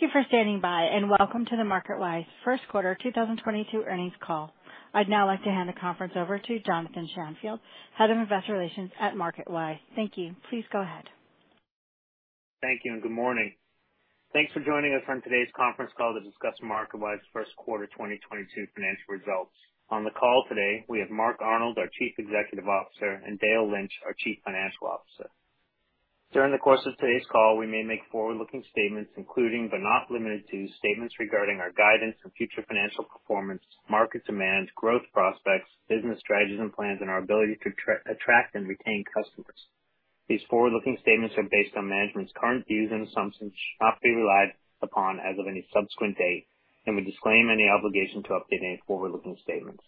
Thank you for standing by, and welcome to the MarketWise Q1 2022 earnings call. I'd now like to hand the conference over to Jonathan Shanfield, Head of Investor Relations at MarketWise. Thank you. Please go ahead. Thank you and good morning. Thanks for joining us on today's conference call to discuss MarketWise Q1 2022 financial results. On the call today, we have Mark Arnold, our Chief Executive Officer, and Dale Lynch, our Chief Financial Officer. During the course of today's call, we may make forward-looking statements, including, but not limited to, statements regarding our guidance and future financial performance, market demands, growth prospects, business strategies and plans, and our ability to attract and retain customers. These forward-looking statements are based on management's current views and assumptions, should not be relied upon as of any subsequent date, and we disclaim any obligation to update any forward-looking statements.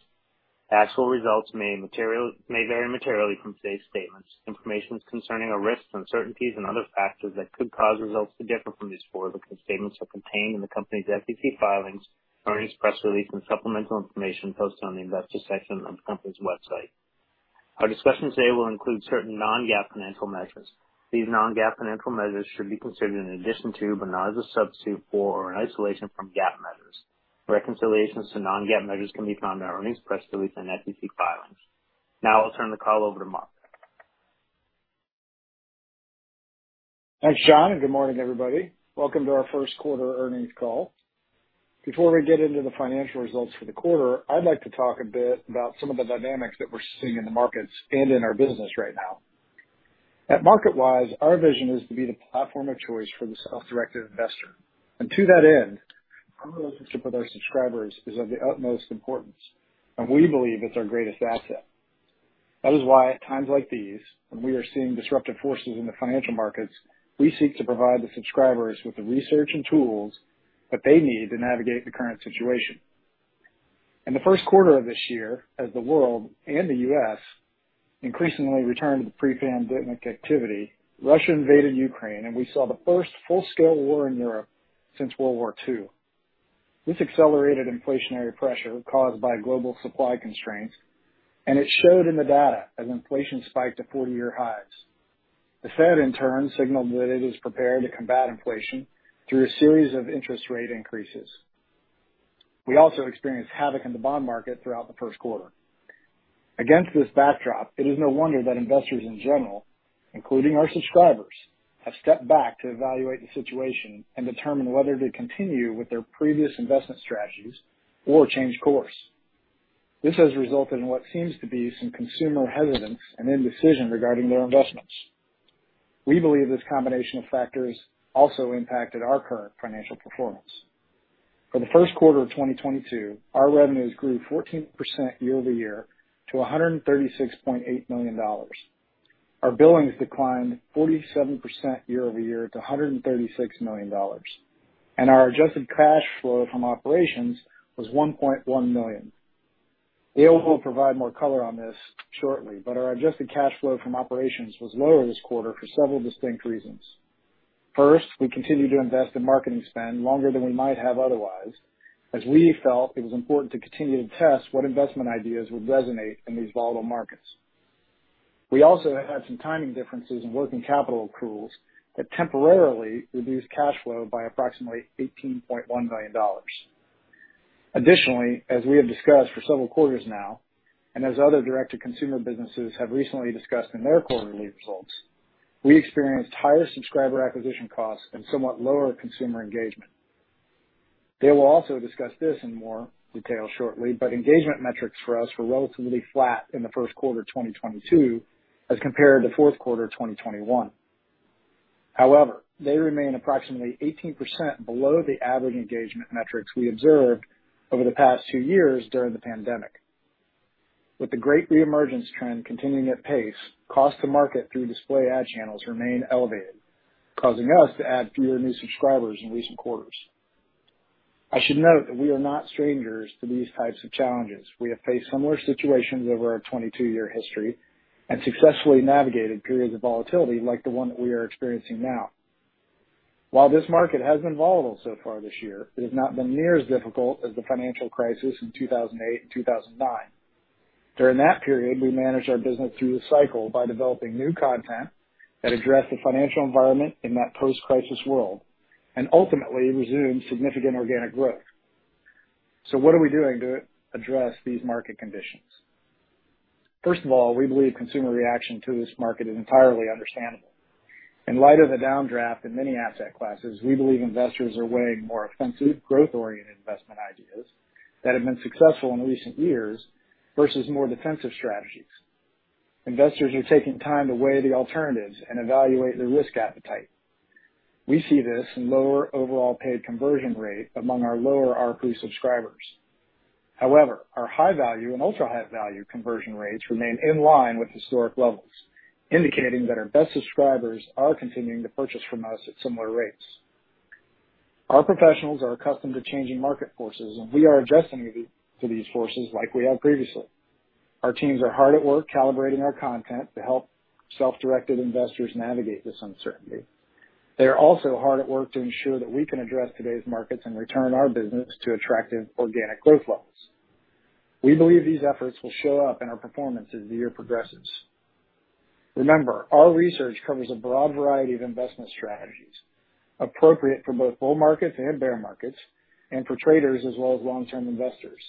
Actual results may vary materially from today's statements. Information concerning the risks, uncertainties and other factors that could cause results to differ from these forward-looking statements are contained in the company's SEC filings, earnings press release, and supplemental information posted on the Investor section of the company's website. Our discussion today will include certain non-GAAP financial measures. These non-GAAP financial measures should be considered in addition to, but not as a substitute for, or in isolation from GAAP measures. Reconciliations to non-GAAP measures can be found in our earnings press release and SEC filings. Now I'll turn the call over to Mark. Thanks, John, and good morning, everybody. Welcome to our Q1 earnings call. Before we get into the financial results for the quarter, I'd like to talk a bit about some of the dynamics that we're seeing in the markets and in our business right now. At MarketWise, our vision is to be the platform of choice for the self-directed investor. To that end, our relationship with our subscribers is of the utmost importance, and we believe it's our greatest asset. That is why at times like these, when we are seeing disruptive forces in the financial markets, we seek to provide the subscribers with the research and tools that they need to navigate the current situation. In the Q1 of this year, as the world and the U.S. increasingly returned to pre-pandemic activity, Russia invaded Ukraine, and we saw the first full-scale war in Europe since World War II. This accelerated inflationary pressure caused by global supply constraints, and it showed in the data as inflation spiked to 40-year highs. The Fed in turn signaled that it is prepared to combat inflation through a series of interest rate increases. We also experienced havoc in the bond market throughout the Q1. Against this backdrop, it is no wonder that investors in general, including our subscribers, have stepped back to evaluate the situation and determine whether to continue with their previous investment strategies or change course. This has resulted in what seems to be some consumer hesitance and indecision regarding their investments. We believe this combination of factors also impacted our current financial performance. For the Q1 of 2022, our revenues grew 14% year-over-year to $136.8 million. Our billings declined 47% year-over-year to $136 million. Our adjusted cash flow from operations was $1.1 million. Dale will provide more color on this shortly, but our adjusted cash flow from operations was lower this quarter for several distinct reasons. First, we continued to invest in marketing spend longer than we might have otherwise, as we felt it was important to continue to test what investment ideas would resonate in these volatile markets. We also had some timing differences in working capital accruals that temporarily reduced cash flow by approximately $18.1 million. Additionally, as we have discussed for several quarters now, and as other direct-to-consumer businesses have recently discussed in their quarterly results, we experienced higher subscriber acquisition costs and somewhat lower consumer engagement. Dale will also discuss this in more detail shortly, but engagement metrics for us were relatively flat in the Q1 of 2022 as compared to Q4 of 2021. However, they remain approximately 18% below the average engagement metrics we observed over the past two years during the pandemic. With the great re-emergence trend continuing apace, costs to market through display ad channels remain elevated, causing us to add fewer new subscribers in recent quarters. I should note that we are not strangers to these types of challenges. We have faced similar situations over our 22-year history and successfully navigated periods of volatility like the one that we are experiencing now. While this market has been volatile so far this year, it has not been near as difficult as the financial crisis in 2008 and 2009. During that period, we managed our business through the cycle by developing new content that addressed the financial environment in that post-crisis world and ultimately resumed significant organic growth. What are we doing to address these market conditions? First of all, we believe consumer reaction to this market is entirely understandable. In light of the downdraft in many asset classes, we believe investors are weighing more offensive, growth-oriented investment ideas that have been successful in recent years versus more defensive strategies. Investors are taking time to weigh the alternatives and evaluate their risk appetite. We see this in lower overall paid conversion rate among our lower RP subscribers. However, our high value and ultra high value conversion rates remain in line with historic levels, indicating that our best subscribers are continuing to purchase from us at similar rates. Our professionals are accustomed to changing market forces, and we are adjusting to these forces like we have previously. Our teams are hard at work calibrating our content to help self-directed investors navigate this uncertainty. They are also hard at work to ensure that we can address today's markets and return our business to attractive organic growth levels. We believe these efforts will show up in our performance as the year progresses. Remember, our research covers a broad variety of investment strategies appropriate for both bull markets and bear markets, and for traders as well as long-term investors.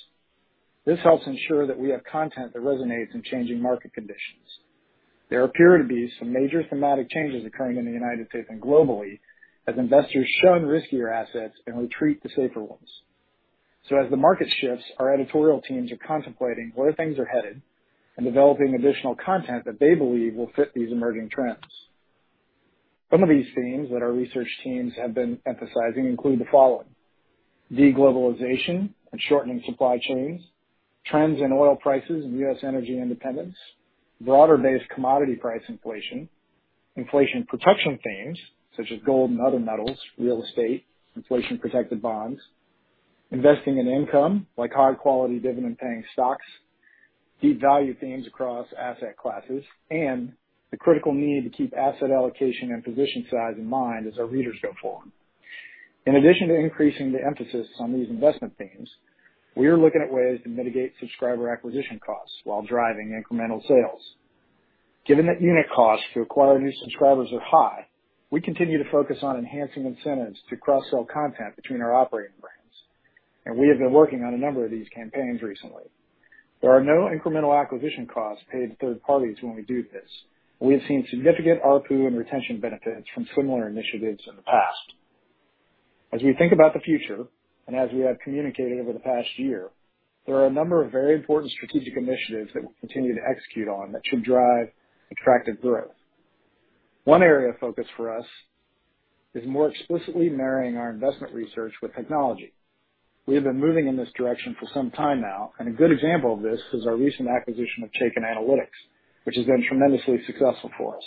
This helps ensure that we have content that resonates in changing market conditions. There appear to be some major thematic changes occurring in the United States and globally as investors shun riskier assets and retreat to safer ones. As the market shifts, our editorial teams are contemplating where things are headed and developing additional content that they believe will fit these emerging trends. Some of these themes that our research teams have been emphasizing include the following, deglobalization and shortening supply chains, trends in oil prices and U.S. energy independence, broader-based commodity price inflation protection themes such as gold and other metals, real estate, inflation-protected bonds, investing in income like high quality dividend paying stocks, deep value themes across asset classes, and the critical need to keep asset allocation and position size in mind as our readers go forward. In addition to increasing the emphasis on these investment themes, we are looking at ways to mitigate subscriber acquisition costs while driving incremental sales. Given that unit costs to acquire new subscribers are high, we continue to focus on enhancing incentives to cross-sell content between our operating brands, and we have been working on a number of these campaigns recently. There are no incremental acquisition costs paid to third parties when we do this. We have seen significant ARPU and retention benefits from similar initiatives in the past. As we think about the future, and as we have communicated over the past year, there are a number of very important strategic initiatives that we'll continue to execute on that should drive attractive growth. One area of focus for us is more explicitly marrying our investment research with technology. We have been moving in this direction for some time now, and a good example of this is our recent acquisition of Chaikin Analytics, which has been tremendously successful for us.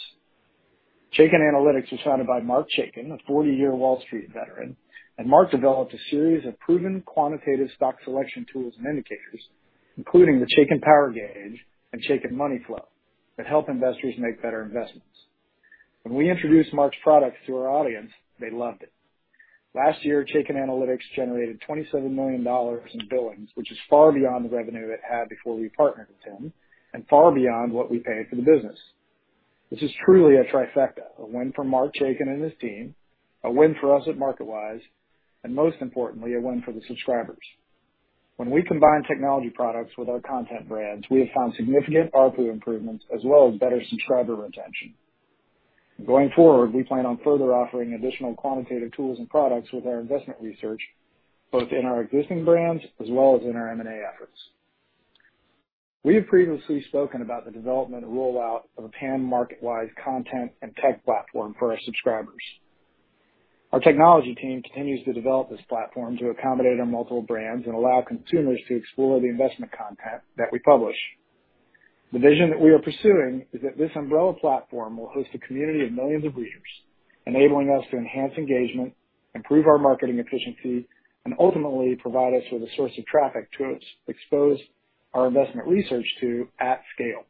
Chaikin Analytics was founded by Marc Chaikin, a 40-year Wall Street veteran, and Marc developed a series of proven quantitative stock selection tools and indicators, including the Chaikin Power Gauge and Chaikin Money Flow, that help investors make better investments. When we introduced Marc's products to our audience, they loved it. Last year, Chaikin Analytics generated $27 million in billings, which is far beyond the revenue it had before we partnered with him and far beyond what we paid for the business. This is truly a trifecta, a win for Marc Chaikin and his team, a win for us at MarketWise, and most importantly, a win for the subscribers. When we combine technology products with our content brands, we have found significant ARPU improvements as well as better subscriber retention. Going forward, we plan on further offering additional quantitative tools and products with our investment research, both in our existing brands as well as in our M&A efforts. We have previously spoken about the development and rollout of a pan MarketWise content and tech platform for our subscribers. Our technology team continues to develop this platform to accommodate our multiple brands and allow consumers to explore the investment content that we publish. The vision that we are pursuing is that this umbrella platform will host a community of millions of readers, enabling us to enhance engagement, improve our marketing efficiency, and ultimately provide us with a source of traffic to expose our investment research to at scale.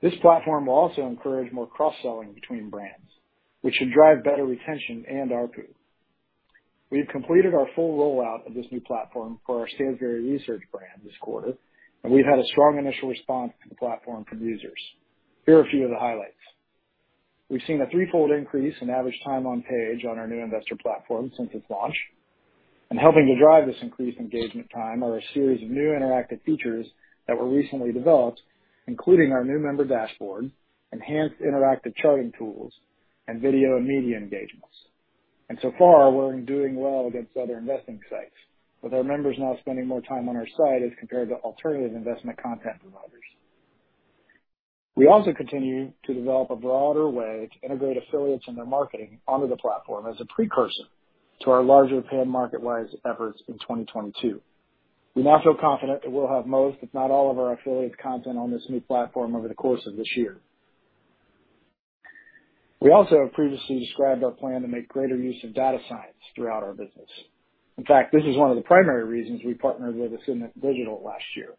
This platform will also encourage more cross-selling between brands, which should drive better retention and ARPU. We've completed our full rollout of this new platform for our Stansberry Research brand this quarter, and we've had a strong initial response to the platform from users. Here are a few of the highlights. We've seen a threefold increase in average time on page on our new investor platform since its launch. Helping to drive this increased engagement time are a series of new interactive features that were recently developed, including our new member dashboard, enhanced interactive charting tools, and video and media engagements. So far, we're doing well against other investing sites, with our members now spending more time on our site as compared to alternative investment content providers. We also continue to develop a broader way to integrate affiliates and their marketing onto the platform as a precursor to our larger pan MarketWise efforts in 2022. We now feel confident that we'll have most, if not all, of our affiliate content on this new platform over the course of this year. We also have previously described our plan to make greater use of data science throughout our business. In fact, this is one of the primary reasons we partnered with Ascendant Digital last year.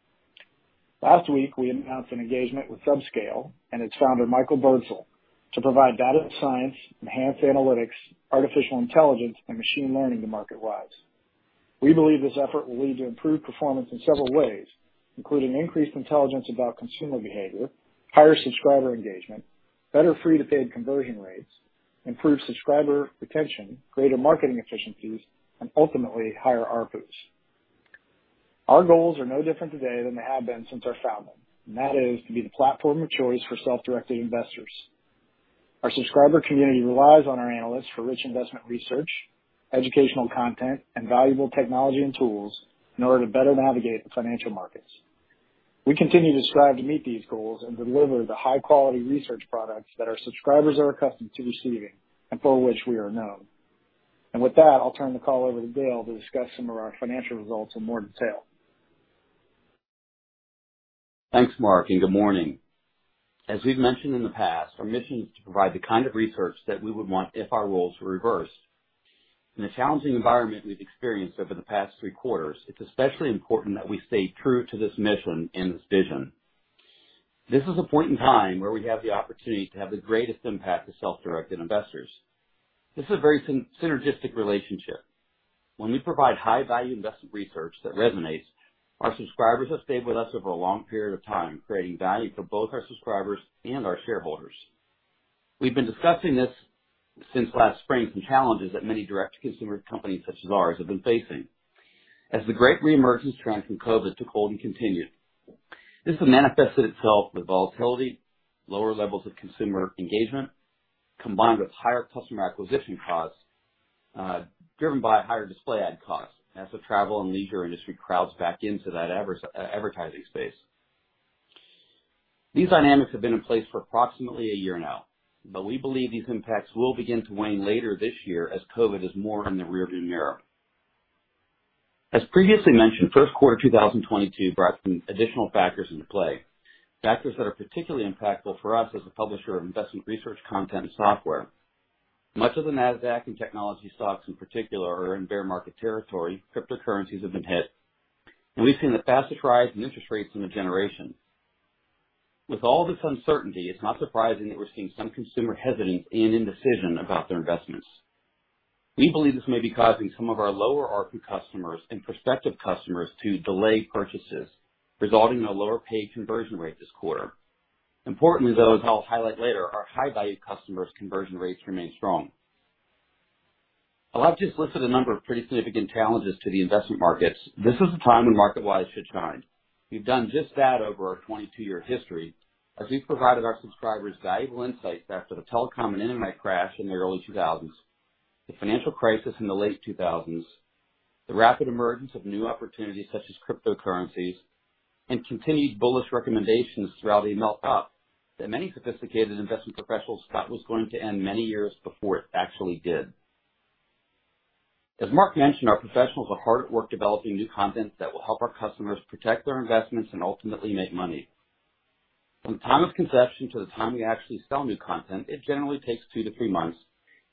Last week, we announced an engagement with SubScale and its founder, Michael Birdsall, to provide data science, enhanced analytics, artificial intelligence, and machine learning to MarketWise. We believe this effort will lead to improved performance in several ways, including increased intelligence about consumer behavior, higher subscriber engagement, better free-to-paid conversion rates, improved subscriber retention, greater marketing efficiencies, and ultimately higher ARPUs. Our goals are no different today than they have been since our founding, and that is to be the platform of choice for self-directed investors. Our subscriber community relies on our analysts for rich investment research, educational content, and valuable technology and tools in order to better navigate the financial markets. We continue to strive to meet these goals and deliver the high-quality research products that our subscribers are accustomed to receiving and for which we are known. With that, I'll turn the call over to Bill to discuss some of our financial results in more detail. Thanks, Mark, and good morning. As we've mentioned in the past, our mission is to provide the kind of research that we would want if our roles were reversed. In the challenging environment we've experienced over the past three quarters, it's especially important that we stay true to this mission and this vision. This is a point in time where we have the opportunity to have the greatest impact to self-directed investors. This is a very synergistic relationship. When we provide high-value investment research that resonates, our subscribers have stayed with us over a long period of time, creating value for both our subscribers and our shareholders. We've been discussing this since last spring, some challenges that many direct-to-consumer companies such as ours have been facing. As the great reemergence trend from COVID took hold and continued, this has manifested itself with volatility, lower levels of consumer engagement, combined with higher customer acquisition costs, driven by higher display ad costs as the travel and leisure industry crowds back into that advertising space. These dynamics have been in place for approximately a year now, but we believe these impacts will begin to wane later this year as COVID is more in the rearview mirror. As previously mentioned, Q1 2022 brought some additional factors into play, factors that are particularly impactful for us as a publisher of investment research content and software. Much of the Nasdaq and technology stocks in particular are in bear market territory. Cryptocurrencies have been hit. We've seen the fastest rise in interest rates in a generation. With all this uncertainty, it's not surprising that we're seeing some consumer hesitancy and indecision about their investments. We believe this may be causing some of our lower ARPU customers and prospective customers to delay purchases, resulting in a lower paid conversion rate this quarter. Importantly, though, as I'll highlight later, our high-value customers' conversion rates remain strong. While I've just listed a number of pretty significant challenges to the investment markets, this is a time when MarketWise should shine. We've done just that over our 22-year history as we've provided our subscribers valuable insights after the telecom and internet crash in the early 2000s, the financial crisis in the late 2000s, the rapid emergence of new opportunities such as cryptocurrencies and continued bullish recommendations throughout a melt up that many sophisticated investment professionals thought was going to end many years before it actually did. As Mark mentioned, our professionals are hard at work developing new content that will help our customers protect their investments and ultimately make money. From the time of conception to the time we actually sell new content, it generally takes 2-3 months,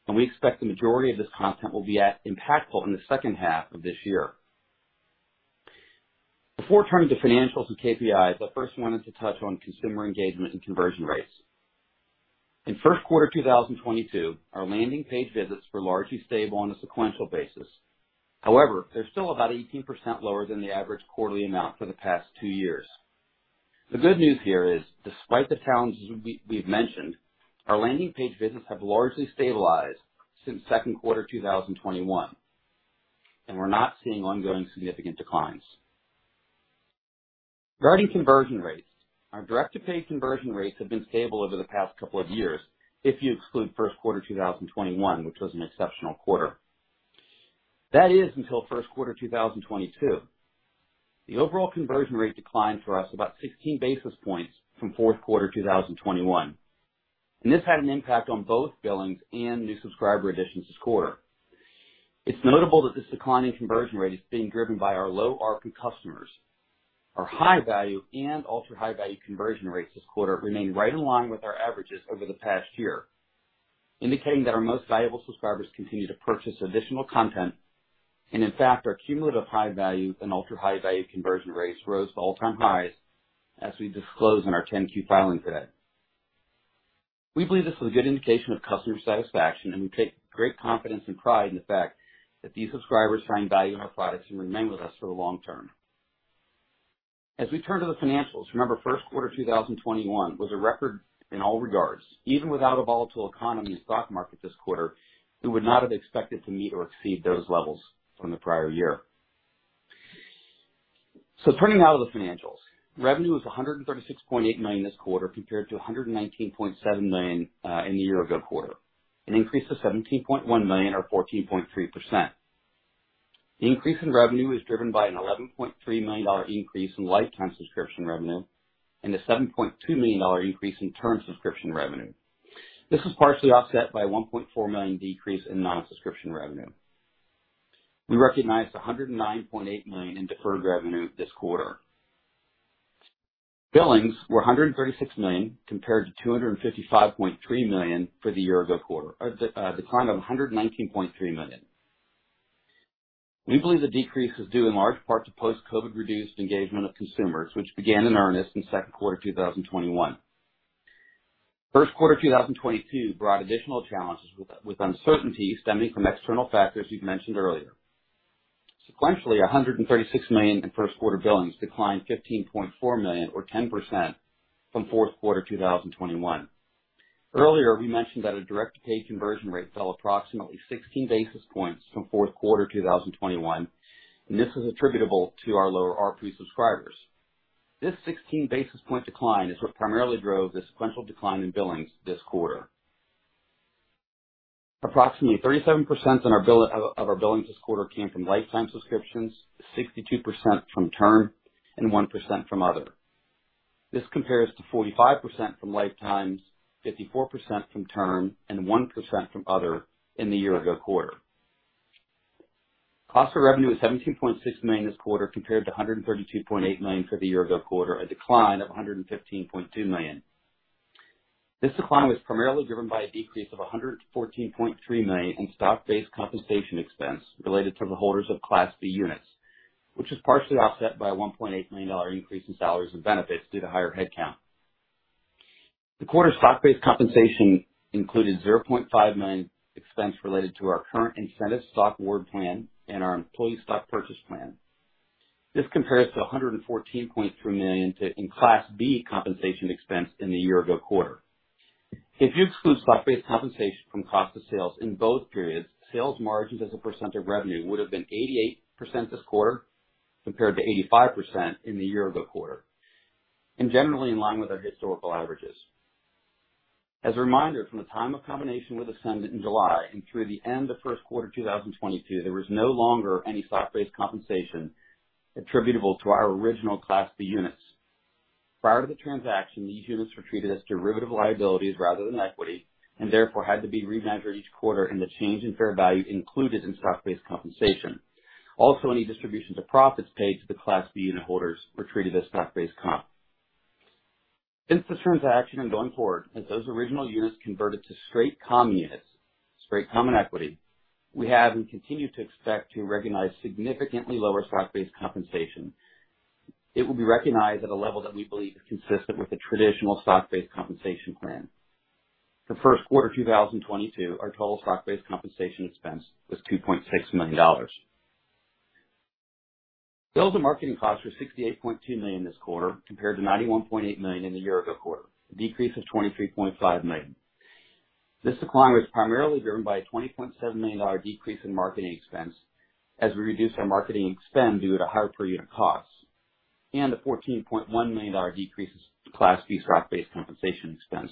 and we expect the majority of this content will be impactful in the second half of this year. Before turning to financials and KPIs, I first wanted to touch on consumer engagement and conversion rates. In Q1 2022, our landing page visits were largely stable on a sequential basis. However, they're still about 18% lower than the average quarterly amount for the past two years. The good news here is, despite the challenges we've mentioned, our landing page visits have largely stabilized since Q2 2021, and we're not seeing ongoing significant declines. Regarding conversion rates, our direct-to-paid conversion rates have been stable over the past couple of years if you exclude Q1 2021, which was an exceptional quarter. That is, until Q1 2022. The overall conversion rate declined for us about 16 basis points from fourth quarter 2021, and this had an impact on both billings and new subscriber additions this quarter. It's notable that this decline in conversion rate is being driven by our low ARPU customers. Our high-value and ultra-high-value conversion rates this quarter remained right in line with our averages over the past year, indicating that our most valuable subscribers continue to purchase additional content. In fact, our cumulative high-value and ultra-high-value conversion rates rose to all-time highs, as we disclosed in our 10-Q filing today. We believe this is a good indication of customer satisfaction, and we take great confidence and pride in the fact that these subscribers find value in our products and remain with us for the long term. As we turn to the financials, remember, Q1 2021 was a record in all regards. Even without a volatile economy and stock market this quarter, we would not have expected to meet or exceed those levels from the prior year. Turning now to the financials. Revenue was $136.8 million this quarter, compared to $119.7 million in the year-ago quarter, an increase of $17.1 million, or 14.3%. The increase in revenue is driven by an $11.3 million increase in lifetime subscription revenue and a $7.2 million increase in term subscription revenue. This was partially offset by a $1.4 million decrease in non-subscription revenue. We recognized $109.8 million in deferred revenue this quarter. Billings were $136 million, compared to $255.3 million for the year-ago quarter, a decline of $119.3 million. We believe the decrease is due in large part to post-COVID reduced engagement of consumers, which began in earnest in second quarter 2021. Q1 2022 brought additional challenges with uncertainty stemming from external factors we've mentioned earlier. Sequentially, $136 million in Q1 billings declined $15.4 million or 10% from Q4 2021. Earlier, we mentioned that our direct-to-paid conversion rate fell approximately 16 basis points from fourth quarter 2021, and this was attributable to our lower ARPU subscribers. This 16 basis point decline is what primarily drove the sequential decline in billings this quarter. Approximately 37% of our billings this quarter came from lifetime subscriptions, 62% from term, and 1% from other. This compares to 45% from lifetimes, 54% from term, and 1% from other in the year-ago quarter. Cost of revenue was $17.6 million this quarter, compared to $132.8 million for the year-ago quarter, a decline of $115.2 million. This decline was primarily driven by a decrease of $114.3 million in stock-based compensation expense related to the holders of Class B units, which was partially offset by a $1.8 million increase in salaries and benefits due to higher headcount. This quarter's stock-based compensation included $0.5 million expense related to our current incentive stock award plan and our employee stock purchase plan. This compares to $114.3 million in Class B compensation expense in the year-ago quarter. If you exclude stock-based compensation from cost of sales in both periods, gross margins as a percent of revenue would have been 88% this quarter compared to 85% in the year-ago quarter, and generally in line with our historical averages. As a reminder, from the time of combination with Ascendant in July and through the end of Q1 2022, there was no longer any stock-based compensation attributable to our original Class B units. Prior to the transaction, these units were treated as derivative liabilities rather than equity, and therefore had to be remeasured each quarter and the change in fair value included in stock-based compensation. Also, any distributions of profits paid to the Class B unit holders were treated as stock-based comp. Since the transaction and going forward, as those original units converted to straight common units, straight common equity, we have and continue to expect to recognize significantly lower stock-based compensation. It will be recognized at a level that we believe is consistent with the traditional stock-based compensation plan. For Q1 2022, our total stock-based compensation expense was $2.6 million. Sales and marketing costs were $68.2 million this quarter compared to $91.8 million in the year ago quarter, a decrease of $23.5 million. This decline was primarily driven by a $20.7 million decrease in marketing expense as we reduced our marketing spend due to higher per unit costs, and a $14.1 million decrease in Class B stock-based compensation expense.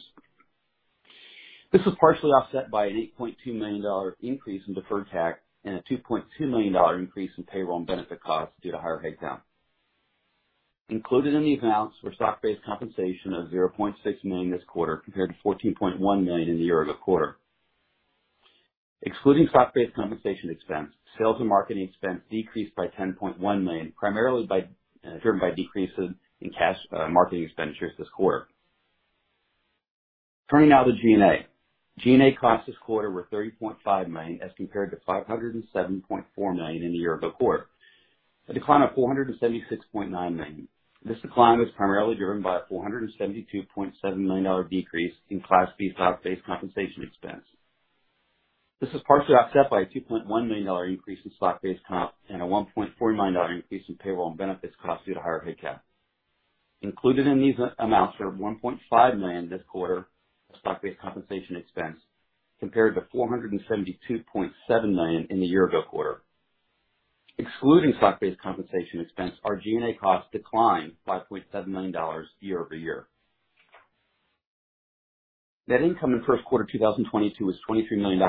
This was partially offset by an $8.2 million increase in deferred tax and a $2.2 million increase in payroll and benefit costs due to higher headcount. Included in these amounts were stock-based compensation of $0.6 million this quarter compared to $14.1 million in the year ago quarter. Excluding stock-based compensation expense, sales and marketing expense decreased by $10.1 million, primarily driven by decreases in cash marketing expenditures this quarter. Turning now to G&A. G&A costs this quarter were $30.5 million as compared to $507.4 million in the year ago quarter, a decline of $476.9 million. This decline was primarily driven by a $472.7 million decrease in Class B stock-based compensation expense. This was partially offset by a $2.1 million increase in stock-based comp and a $1.4 million increase in payroll and benefits costs due to higher headcount. Included in these amounts are $1.5 million this quarter stock-based compensation expense compared to $472.7 million in the year ago quarter. Excluding stock-based compensation expense, our G&A costs declined $5.7 million year-over-year. Net income in Q1 2022 was $23 million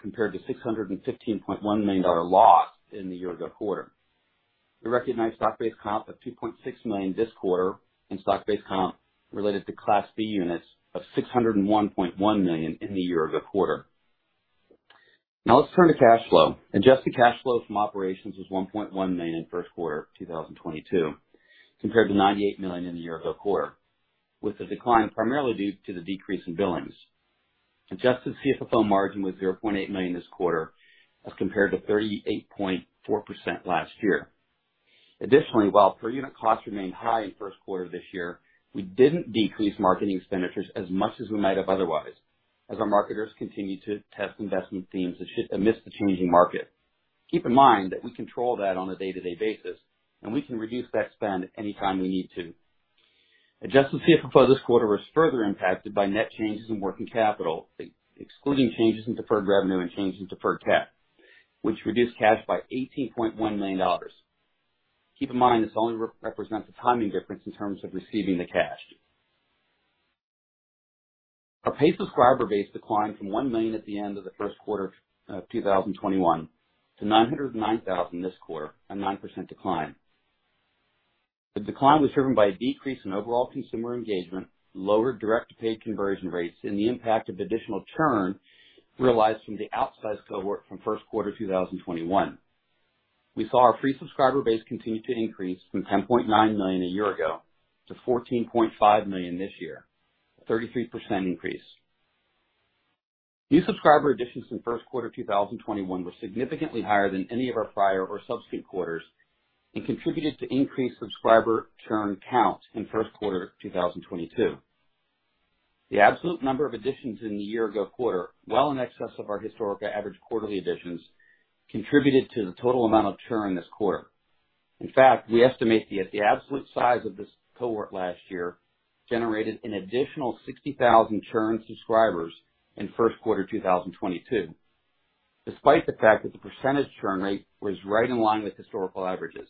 compared to $615.1 million loss in the year-ago quarter. We recognized stock-based comp of $2.6 million this quarter and stock-based comp related to Class B units of $601.1 million in the year-ago quarter. Now let's turn to cash flow. Adjusted cash flow from operations was $1.1 million in Q1 2022 compared to $98 million in the year-ago quarter, with the decline primarily due to the decrease in billings. Adjusted CFFO margin was 0.8% this quarter as compared to 38.4% last year. Additionally, while per unit costs remained high in Q1 this year, we didn't decrease marketing expenditures as much as we might have otherwise, as our marketers continued to test investment themes amidst the changing market. Keep in mind that we control that on a day-to-day basis, and we can reduce that spend any time we need to. Adjusted CFFO this quarter was further impacted by net changes in working capital, excluding changes in deferred revenue and changes in deferred tax, which reduced cash by $18.1 million. Keep in mind, this only represents a timing difference in terms of receiving the cash. Our paid subscriber base declined from 1 million at the end of the Q1 of 2021 to 909,000 this quarter, a 9% decline. The decline was driven by a decrease in overall consumer engagement, lower direct-to-paid conversion rates, and the impact of additional churn realized from the outsized cohort from Q1 2021. We saw our free subscriber base continue to increase from 10.9 million a year ago to 14.5 million this year, a 33% increase. New subscriber additions in Q1 2021 were significantly higher than any of our prior or subsequent quarters and contributed to increased subscriber churn count in Q1 2022. The absolute number of additions in the year ago quarter, well in excess of our historical average quarterly additions, contributed to the total amount of churn this quarter. In fact, we estimate the absolute size of this cohort last year generated an additional 60,000 churned subscribers in Q1 2022, despite the fact that the percentage churn rate was right in line with historical averages.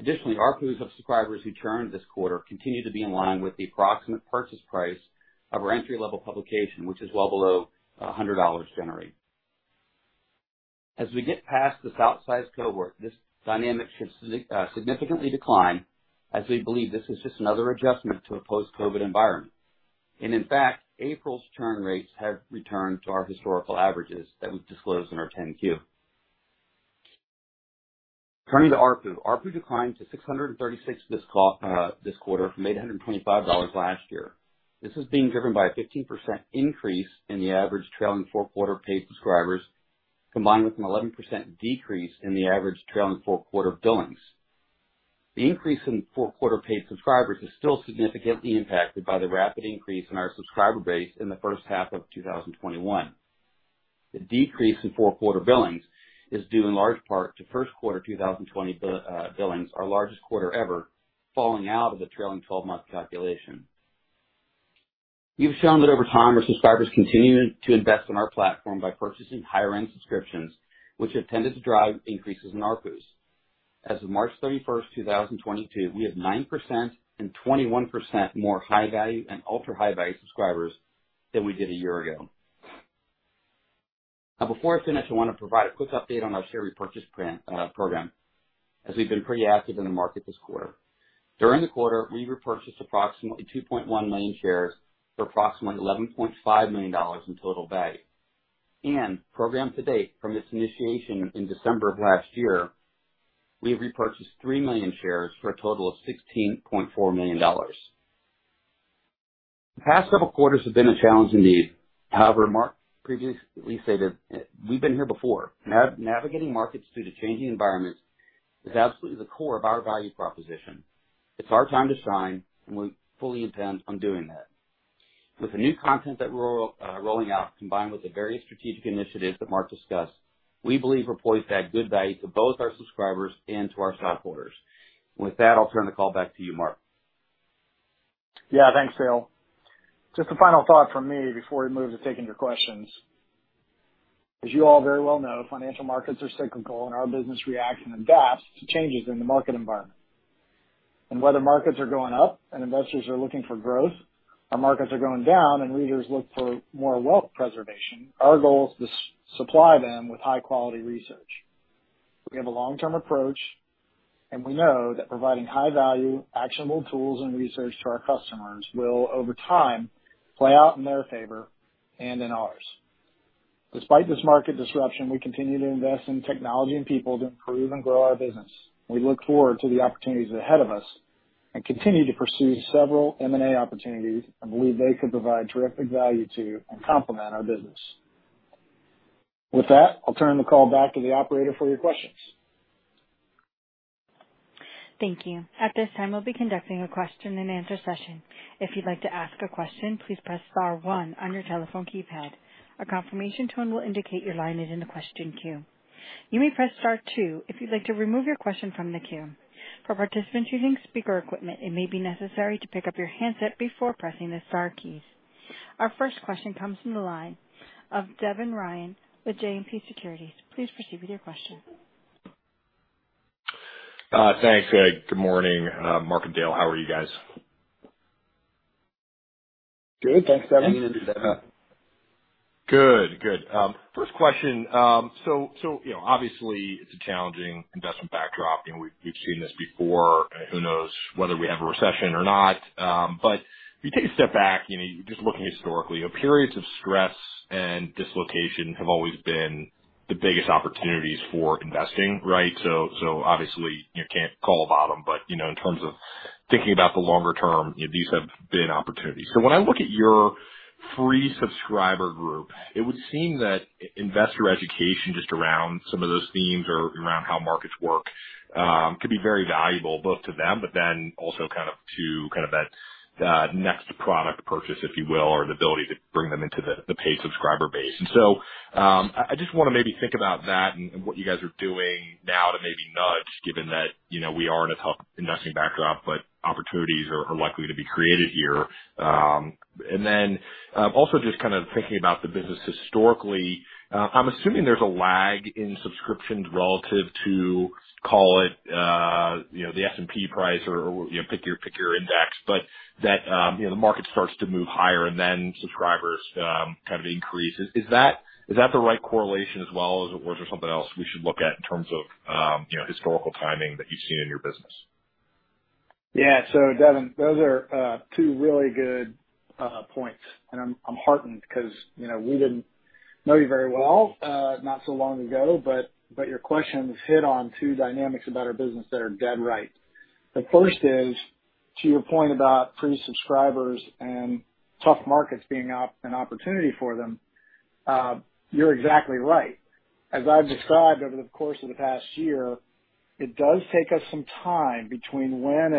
Additionally, ARPUs of subscribers who churned this quarter continued to be in line with the approximate purchase price of our entry-level publication, which is well below $100 generally. As we get past this outsized cohort, this dynamic should significantly decline as we believe this is just another adjustment to a post-COVID environment. In fact, April's churn rates have returned to our historical averages that we've disclosed in our 10-Q. Turning to ARPU. ARPU declined to $636 this quarter from $825 last year. This is being driven by a 15% increase in the average trailing four-quarter paid subscribers, combined with an 11% decrease in the average trailing four-quarter billings. The increase in Q4 paid subscribers is still significantly impacted by the rapid increase in our subscriber base in the first half of 2021. The decrease in Q4 billings is due in large part to Q1 2020 billings, our largest quarter ever, falling out of the trailing 12-month calculation. We've shown that over time, our subscribers continue to invest in our platform by purchasing higher end subscriptions, which have tended to drive increases in ARPU. As of March 31, 2022, we have 9% and 21% more high value and ultra-high value subscribers than we did a year ago. Now, before I finish, I want to provide a quick update on our share repurchase plan, program, as we've been pretty active in the market this quarter. During the quarter, we repurchased approximately 2.1 million shares for approximately $11.5 million in total value. Program to date, from its initiation in December of last year, we have repurchased 3 million shares for a total of $16.4 million. The past several quarters have been a challenge indeed. However, Mark previously stated, we've been here before. Navigating markets through the changing environments is absolutely the core of our value proposition. It's our time to shine, and we fully intend on doing that. With the new content that we're rolling out, combined with the various strategic initiatives that Mark discussed, we believe we're poised to add good value to both our subscribers and to our stockholders. With that, I'll turn the call back to you, Mark. Yeah. Thanks, Dale. Just a final thought from me before we move to taking your questions. As you all very well know, financial markets are cyclical and our business reacts and adapts to changes in the market environment. Whether markets are going up and investors are looking for growth, or markets are going down and readers look for more wealth preservation, our goal is to supply them with high quality research. We have a long term approach, and we know that providing high value, actionable tools and research to our customers will, over time, play out in their favor and in ours. Despite this market disruption, we continue to invest in technology and people to improve and grow our business. We look forward to the opportunities ahead of us and continue to pursue several M&A opportunities and believe they could provide terrific value to and complement our business. With that, I'll turn the call back to the operator for your questions. Thank you. At this time, we'll be conducting a question and answer session. If you'd like to ask a question, please press star one on your telephone keypad. A confirmation tone will indicate your line is in the question queue. You may press star two if you'd like to remove your question from the queue. For participants using speaker equipment, it may be necessary to pick up your handset before pressing the star keys. Our first question comes from the line of Devin Ryan with JMP Securities. Please proceed with your question. Thanks. Good morning, Mark and Dale. How are you guys? Great. Thanks, Devin. Thanks. Good. First question. You know, obviously it's a challenging investment backdrop. You know, we've seen this before. Who knows whether we have a recession or not. If you take a step back, you know, just looking historically, you know, periods of stress and dislocation have always been the biggest opportunities for investing, right? Obviously you can't call a bottom, but you know, in terms of thinking about the longer term, these have been opportunities. When I look at your free subscriber group, it would seem that investor education just around some of those themes, or around how markets work, could be very valuable both to them, but then also kind of to that next product purchase, if you will, or the ability to bring them into the paid subscriber base. I just want to maybe think about that and what you guys are doing now to maybe nudge, given that, you know, we are in a tough investing backdrop, but opportunities are likely to be created here. Also just kind of thinking about the business historically, I'm assuming there's a lag in subscriptions relative to call it, you know, the S&P price or, you know, pick your index, but that, you know, the market starts to move higher and then subscribers kind of increase. Is that the right correlation as well? Or is there something else we should look at in terms of, you know, historical timing that you've seen in your business? Yeah. Devin, those are two really good points. I'm heartened because, you know, we didn't know you very well, not so long ago, but your questions hit on two dynamics about our business that are dead right. The first is, to your point about free subscribers and tough markets being an opportunity for them, you're exactly right. As I've described over the course of the past year, it does take us some time between when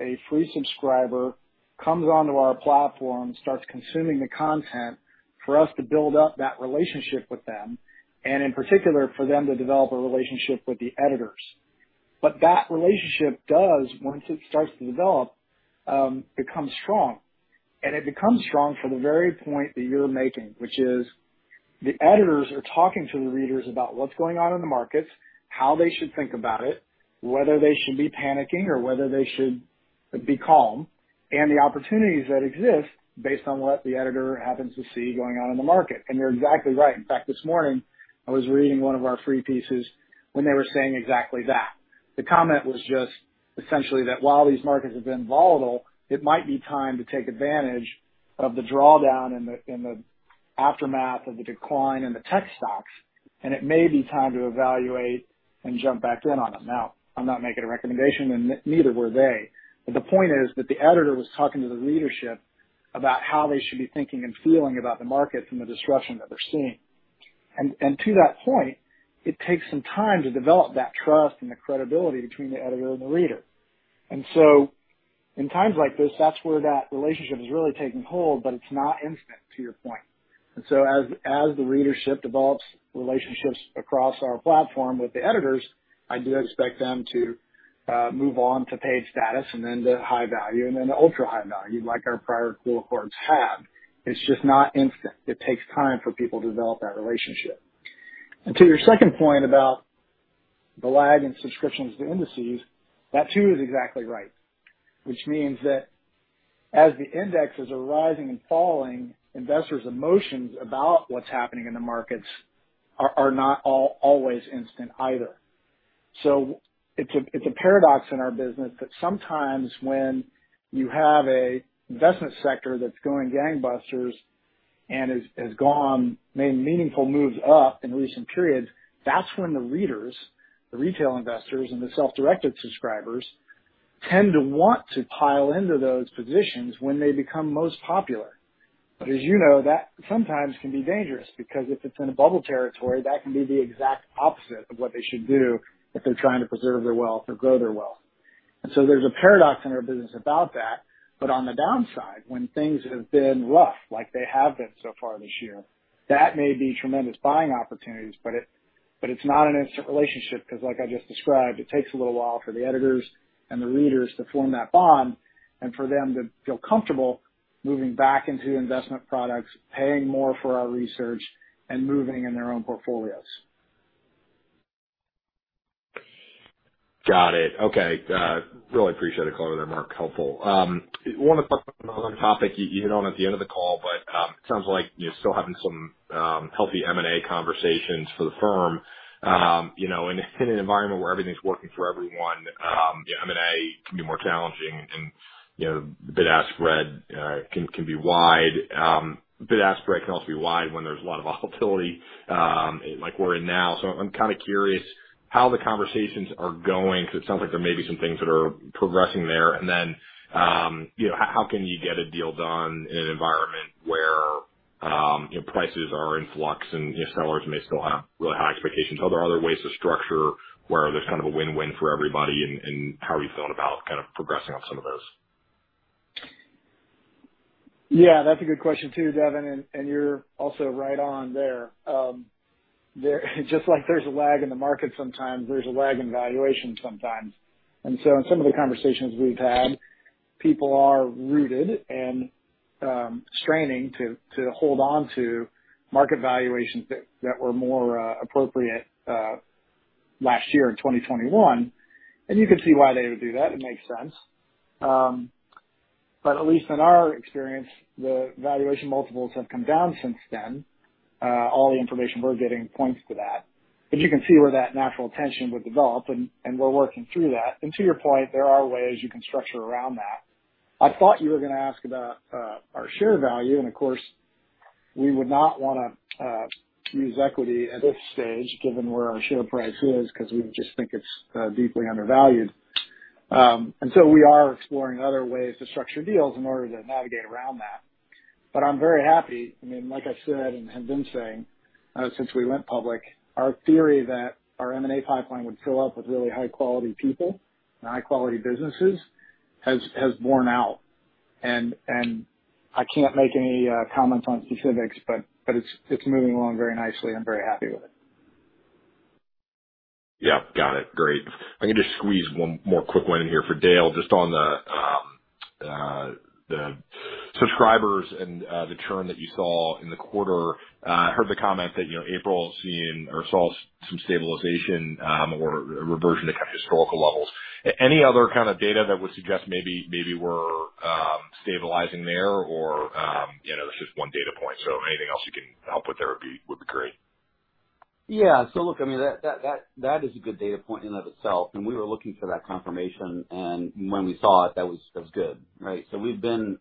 a free subscriber comes onto our platform and starts consuming the content, for us to build up that relationship with them, and in particular, for them to develop a relationship with the editors. But that relationship does, once it starts to develop, becomes strong. It becomes strong for the very point that you're making, which is the editors are talking to the readers about what's going on in the markets, how they should think about it, whether they should be panicking or whether they should be calm, and the opportunities that exist based on what the editor happens to see going on in the market. You're exactly right. In fact, this morning I was reading one of our free pieces when they were saying exactly that. The comment was just essentially that while these markets have been volatile, it might be time to take advantage of the drawdown in the aftermath of the decline in the tech stocks, and it may be time to evaluate and jump back in on them. Now, I'm not making a recommendation, and neither were they. The point is that the editor was talking to the readership about how they should be thinking and feeling about the market and the disruption that they're seeing. To that point, it takes some time to develop that trust and the credibility between the editor and the reader. In times like this, that's where that relationship has really taken hold, but it's not instant, to your point. As the readership develops relationships across our platform with the editors, I do expect them to move on to paid status and then to high value and then to ultra-high value like our prior cohorts have. It's just not instant. It takes time for people to develop that relationship. To your second point about the lag in subscriptions to indices, that too is exactly right. Which means that as the indexes are rising and falling, investors' emotions about what's happening in the markets are not always instant either. It's a paradox in our business that sometimes when you have an investment sector that's going gangbusters and made meaningful moves up in recent periods, that's when the readers, the retail investors, and the self-directed subscribers tend to want to pile into those positions when they become most popular. As you know, that sometimes can be dangerous because if it's in a bubble territory, that can be the exact opposite of what they should do if they're trying to preserve their wealth or grow their wealth. There's a paradox in our business about that. On the downside, when things have been rough, like they have been so far this year, that may be tremendous buying opportunities, but it's not an instant relationship because like I just described, it takes a little while for the editors and the readers to form that bond and for them to feel comfortable moving back into investment products, paying more for our research and moving in their own portfolios. Got it. Okay. Really appreciate the color there, Mark. Helpful. Want to touch on another topic you hit on at the end of the call, but sounds like you're still having some healthy M&A conversations for the firm. You know, in an environment where everything's working for everyone, you know, M&A can be more challenging and, you know, bid-ask spread can be wide. Bid-ask spread can also be wide when there's a lot of volatility, like we're in now. So I'm kind of curious how the conversations are going because it sounds like there may be some things that are progressing there. Then, you know, how can you get a deal done in an environment where, you know, prices are in flux and, you know, sellers may still have really high expectations? Are there other ways to structure where there's kind of a win-win for everybody? How are you feeling about kind of progressing on some of those? Yeah, that's a good question, too, Devin. You're also right on there. There's just like there's a lag in the market sometimes, there's a lag in valuation sometimes. In some of the conversations we've had, people are rooted and straining to hold on to market valuations that were more appropriate last year in 2021. You can see why they would do that. It makes sense. In our experience, the valuation multiples have come down since then. All the information we're getting points to that, but you can see where that natural tension would develop. We're working through that. To your point, there are ways you can structure around that. I thought you were gonna ask about our share value. Of course, we would not wanna use equity at this stage, given where our share price is, because we just think it's deeply undervalued. We are exploring other ways to structure deals in order to navigate around that. I'm very happy. I mean, like I said, and have been saying since we went public, our theory that our M&A pipeline would fill up with really high quality people and high quality businesses has borne out. I can't make any comments on specifics, but it's moving along very nicely. I'm very happy with it. Yeah. Got it. Great. I'm gonna just squeeze one more quick one in here for Dale, just on the subscribers and the churn that you saw in the quarter. I heard the comment that, you know, April saw some stabilization, or a reversion to kind of historical levels. Any other kind of data that would suggest maybe we're stabilizing there or, you know, that's just one data point, so anything else you can help with there would be great. Yeah. Look, I mean, that is a good data point in and of itself. We were looking for that confirmation. When we saw it, that was good, right? We've been,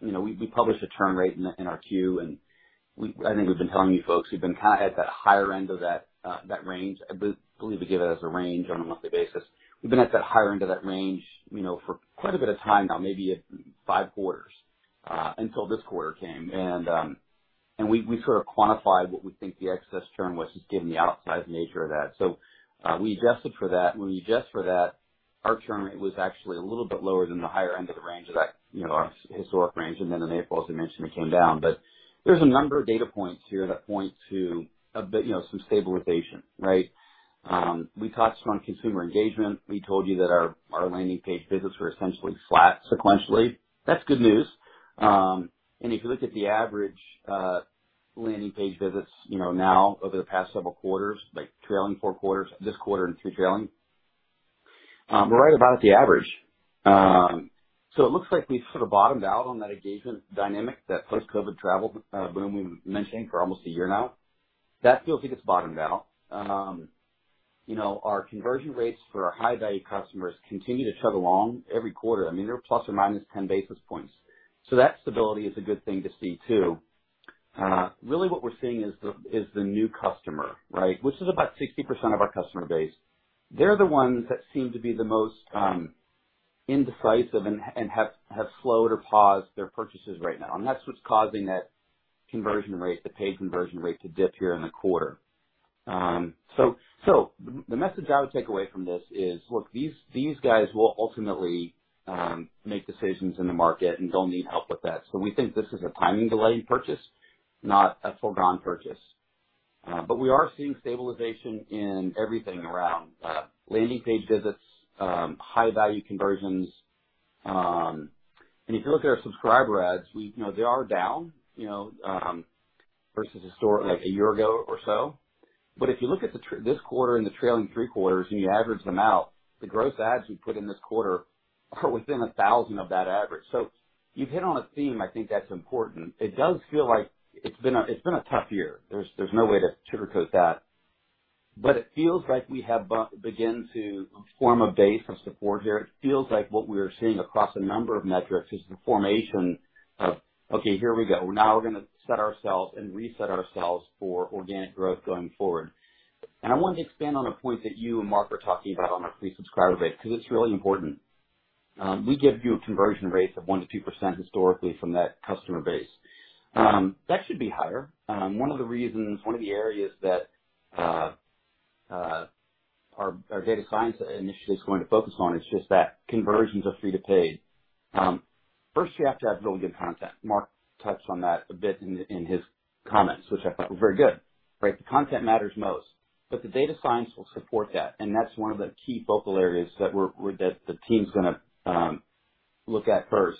you know, we published a churn rate in our Q. I think we've been telling you folks. We've been kind of at that higher end of that range. I believe we give it as a range on a monthly basis. We've been at that higher end of that range, you know, for quite a bit of time now, maybe five quarters, until this quarter came. We sort of quantified what we think the excess churn was, just given the outsized nature of that. We adjusted for that. When we adjust for that, our churn rate was actually a little bit lower than the higher end of the range of that, you know, our historic range. Then in April, as we mentioned, it came down. There's a number of data points here that point to a bit, you know, some stabilization, right? We touched on consumer engagement. We told you that our landing page visits were essentially flat sequentially. That's good news. If you look at the average, landing page visits, you know, now over the past several quarters, like trailing four quarters, this quarter and three trailing, we're right about at the average. It looks like we've sort of bottomed out on that engagement dynamic, that post-COVID travel boom we've been mentioning for almost a year now. That feels like it's bottomed out. You know, our conversion rates for our high value customers continue to chug along every quarter. I mean, they're plus or minus ten basis points. That stability is a good thing to see, too. Really what we're seeing is the new customer, right? Which is about 60% of our customer base. They're the ones that seem to be the most indecisive and have slowed or paused their purchases right now. That's what's causing that conversion rate, the paid conversion rate to dip here in the quarter. The message I would take away from this is, look, these guys will ultimately make decisions in the market and don't need help with that. We think this is a timing delay purchase, not a foregone purchase. We are seeing stabilization in everything around landing page visits, high value conversions. If you look at our subscriber adds, we, you know, they are down, you know, versus historically like a year ago or so. If you look at this quarter and the trailing three quarters and you average them out, the gross adds we put in this quarter are within 1,000 of that average. You've hit on a theme I think that's important. It does feel like it's been a tough year. There's no way to sugarcoat that. It feels like we have begun to form a base of support here. It feels like what we are seeing across a number of metrics is the formation of, okay, here we go. We're now gonna set ourselves and reset ourselves for organic growth going forward. I want to expand on a point that you and Mark were talking about on our free subscriber base because it's really important. We give you a conversion rate of 1%-2% historically from that customer base. That should be higher. One of the reasons, one of the areas that our data science initiative is going to focus on is just that conversions of free to paid. First you have to have really good content. Mark touched on that a bit in his comments, which I thought were very good, right? The content matters most, but the data science will support that. That's one of the key focal areas that the team's gonna look at first.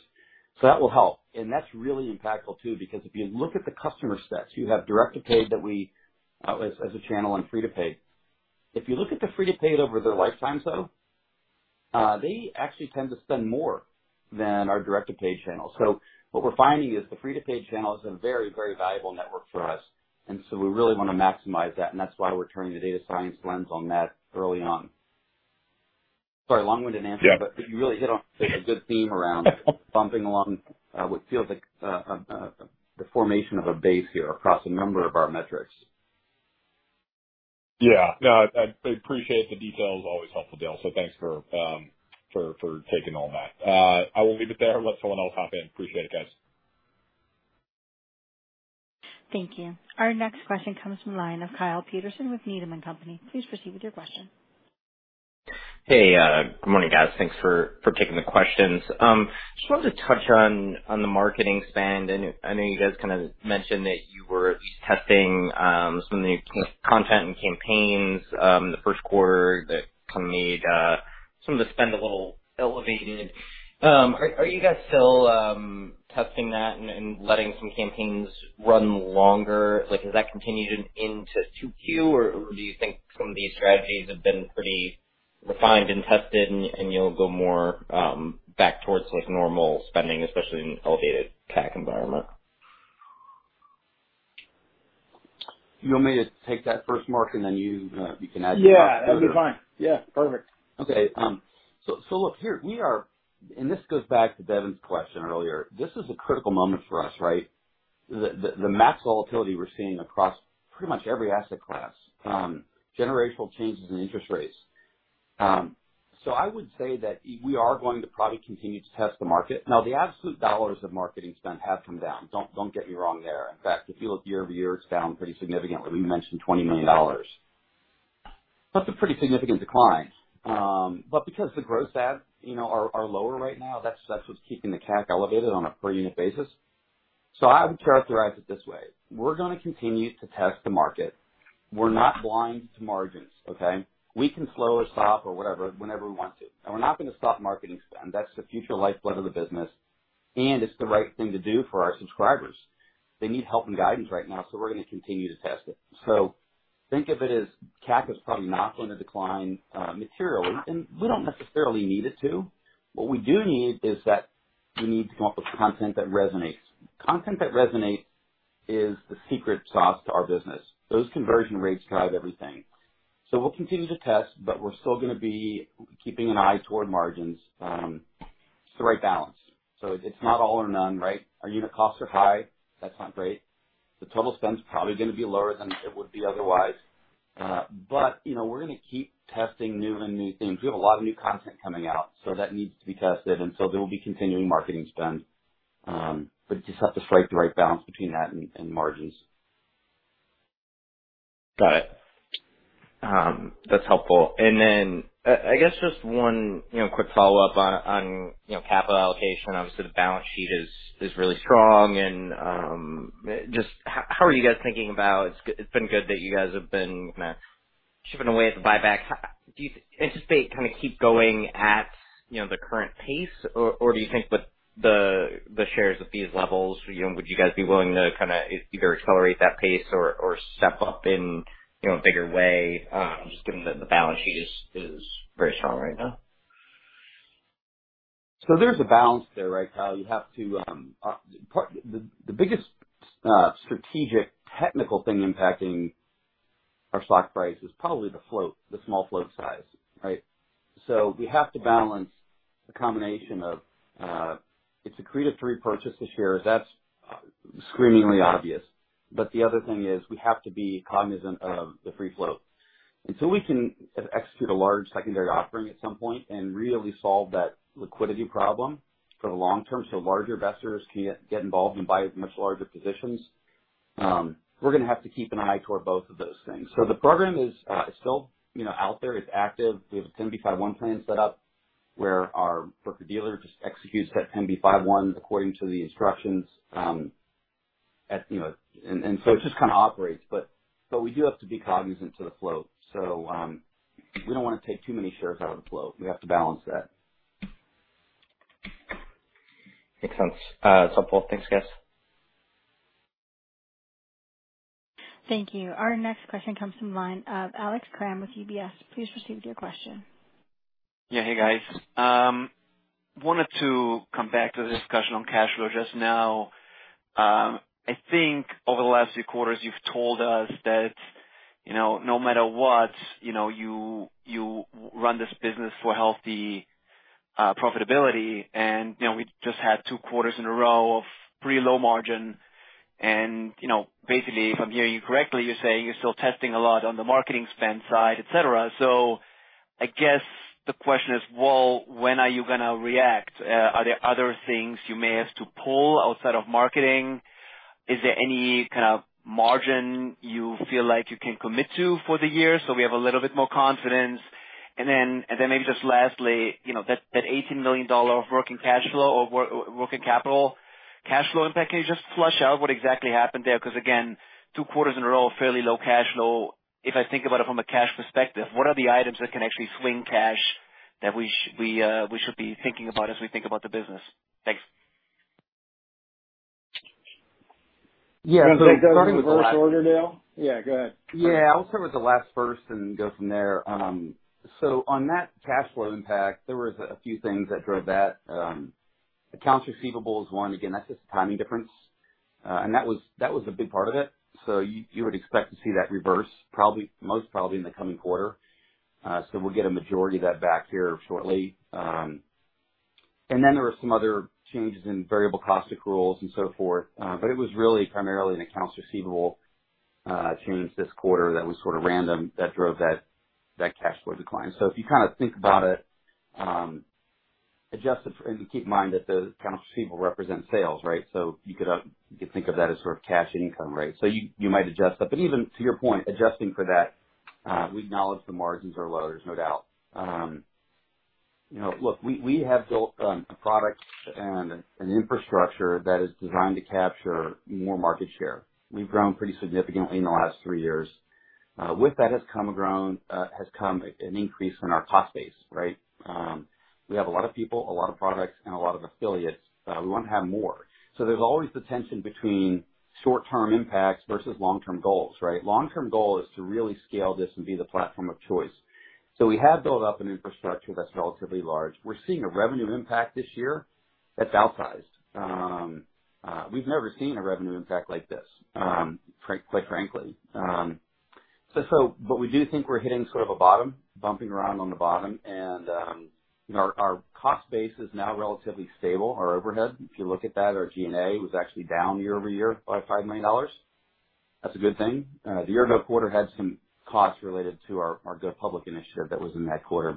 That will help. That's really impactful too, because if you look at the customer sets, you have direct to paid that we, as a channel and free to paid. If you look at the free to paid over their lifetime though, they actually tend to spend more than our direct to paid channel. What we're finding is the free to paid channel is a very, very valuable network for us, and we really want to maximize that. That's why we're turning the data science lens on that early on. Sorry, long-winded answer. Yeah. You really hit on, I think, a good theme around bumping along what feels like the formation of a base here across a number of our metrics. Yeah. No, I appreciate the details. Always helpful, Dale. Thanks for taking all that. I will leave it there and let someone else hop in. Appreciate it, guys. Thank you. Our next question comes from the line of Kyle Peterson with Needham & Company. Please proceed with your question. Hey, good morning, guys. Thanks for taking the questions. Just wanted to touch on the marketing spend. I know you guys kind of mentioned that you were testing some of the content and campaigns in the Q1 that kind of made some of the spend a little elevated. Are you guys still testing that and letting some campaigns run longer? Like, has that continued into Q2, or do you think some of these strategies have been pretty refined and tested and you'll go more back towards, like, normal spending, especially in an elevated CAC environment? You want me to take that first, Mark, and then you can add to that? Yeah, that'd be fine. Yeah. Perfect. Okay. So look, here we are. This goes back to Devin's question earlier. This is a critical moment for us, right? The max volatility we're seeing across pretty much every asset class, generational changes in interest rates. I would say that we are going to probably continue to test the market. Now, the absolute dollars of marketing spend have come down. Don't get me wrong there. In fact, if you look year-over-year, it's down pretty significantly. We mentioned $20 million. That's a pretty significant decline. Because the gross ads, you know, are lower right now, that's what's keeping the CAC elevated on a per unit basis. I would characterize it this way. We're gonna continue to test the market. We're not blind to margins, okay? We can slow or stop or whatever whenever we want to. We're not gonna stop marketing spend. That's the future lifeblood of the business, and it's the right thing to do for our subscribers. They need help and guidance right now, so we're gonna continue to test it. Think of it as CAC is probably not going to decline, materially, and we don't necessarily need it to. What we do need is that we need to come up with content that resonates. Content that resonates is the secret sauce to our business. Those conversion rates drive everything. We'll continue to test, but we're still gonna be keeping an eye toward margins. It's the right balance. It's not all or none, right? Our unit costs are high. That's not great. The total spend's probably gonna be lower than it would be otherwise. You know, we're gonna keep testing new and new things. We have a lot of new content coming out, so that needs to be tested, and so there will be continuing marketing spend. Just have to strike the right balance between that and margins. Got it. That's helpful. I guess just one quick follow-up on capital allocation. Obviously the balance sheet is really strong, just how are you guys thinking about it. It's been good that you guys have been chipping away at the buyback. Do you anticipate kind of keep going at the current pace or do you think with the shares at these levels, you guys would be willing to kinda either accelerate that pace or step up in a bigger way, just given the balance sheet is very strong right now? There's a balance there, right, Kyle? You have to. The biggest strategic technical thing impacting our stock price is probably the float, the small float size, right? We have to balance the combination of it's accretive to repurchase the shares. That's screamingly obvious. The other thing is we have to be cognizant of the free float. Until we can execute a large secondary offering at some point and really solve that liquidity problem for the long term, so large investors can get involved and buy much larger positions, we're gonna have to keep an eye toward both of those things. The program is still, you know, out there, it's active. We have a 10b5-1 plan set up where our broker-dealer just executes that 10b5-1 according to the instructions, you know. It just kinda operates. We do have to be cognizant to the flow. We don't wanna take too many shares out of the flow. We have to balance that. Makes sense. Helpful. Thanks, guys. Thank you. Our next question comes from the line of Alex Kramm with UBS. Please proceed with your question. Yeah. Hey, guys. Wanted to come back to the discussion on cash flow just now. I think over the last few quarters you've told us that, you know, no matter what, you know, you run this business for healthy profitability. You know, we just had two quarters in a row of pretty low margin. Basically, if I'm hearing you correctly, you're saying you're still testing a lot on the marketing spend side, et cetera. I guess the question is, well, when are you gonna react? Are there other things you may have to pull outside of marketing? Is there any kind of margin you feel like you can commit to for the year, so we have a little bit more confidence? Maybe just lastly, you know, that $18 million of working cash flow or working capital cash flow impact, can you just flesh out what exactly happened there? Because again, two quarters in a row, fairly low cash flow. If I think about it from a cash perspective, what are the items that can actually swing cash that we should be thinking about as we think about the business? Thanks. Yeah, starting with the last- Do you want to take that in reverse order, Dale? Yeah, go ahead. Yeah, I'll start with the last first and go from there. On that cash flow impact, there was a few things that drove that. Accounts receivable is one. Again, that's just timing difference. That was a big part of it. You would expect to see that reverse probably, most probably in the coming quarter. We'll get a majority of that back here shortly. There were some other changes in variable cost accruals and so forth. It was really primarily an accounts receivable change this quarter that was sort of random, that drove that cash flow decline. If you kinda think about it, adjusted for, and keep in mind that the accounts receivable represent sales, right? You could think of that as sort of cash income, right? You might adjust that. Even to your point, adjusting for that, we acknowledge the margins are lower, there's no doubt. You know, look, we have built a product and an infrastructure that is designed to capture more market share. We've grown pretty significantly in the last three years. With that has come an increase in our cost base, right? We have a lot of people, a lot of products, and a lot of affiliates. We want to have more. There's always the tension between short-term impacts versus long-term goals, right? Long-term goal is to really scale this and be the platform of choice. We have built up an infrastructure that's relatively large. We're seeing a revenue impact this year that's outsized. We've never seen a revenue impact like this, quite frankly. We do think we're hitting sort of a bottom, bumping around on the bottom. You know, our cost base is now relatively stable, our overhead. If you look at that, our G&A was actually down year-over-year by $5 million. That's a good thing. The year-end quarter had some costs related to our Go Public initiative that was in that quarter.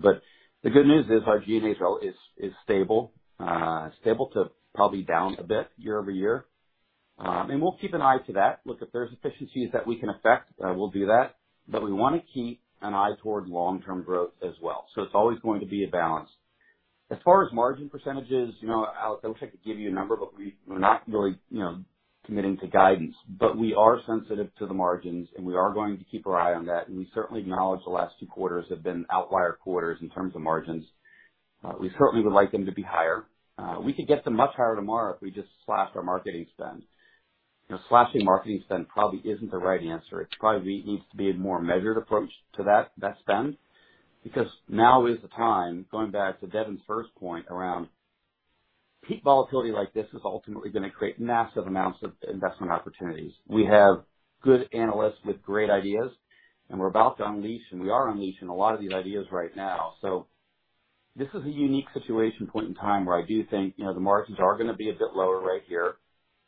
The good news is our G&A trailing is stable. Stable to probably down a bit year-over-year. We'll keep an eye to that. Look, if there's efficiencies that we can affect, we'll do that. We wanna keep an eye towards long-term growth as well. It's always going to be a balance. As far as margin percentages, you know, I'll check to give you a number, but we're not really, you know, committing to guidance. We are sensitive to the margins, and we are going to keep our eye on that. We certainly acknowledge the last two quarters have been outlier quarters in terms of margins. We certainly would like them to be higher. We could get them much higher tomorrow if we just slashed our marketing spend. You know, slashing marketing spend probably isn't the right answer. It probably needs to be a more measured approach to that spend, because now is the time, going back to Devin's first point, around peak volatility like this is ultimately gonna create massive amounts of investment opportunities. We have good analysts with great ideas, and we're about to unleash, and we are unleashing a lot of these ideas right now. This is a unique situation point in time where I do think, you know, the margins are gonna be a bit lower right here.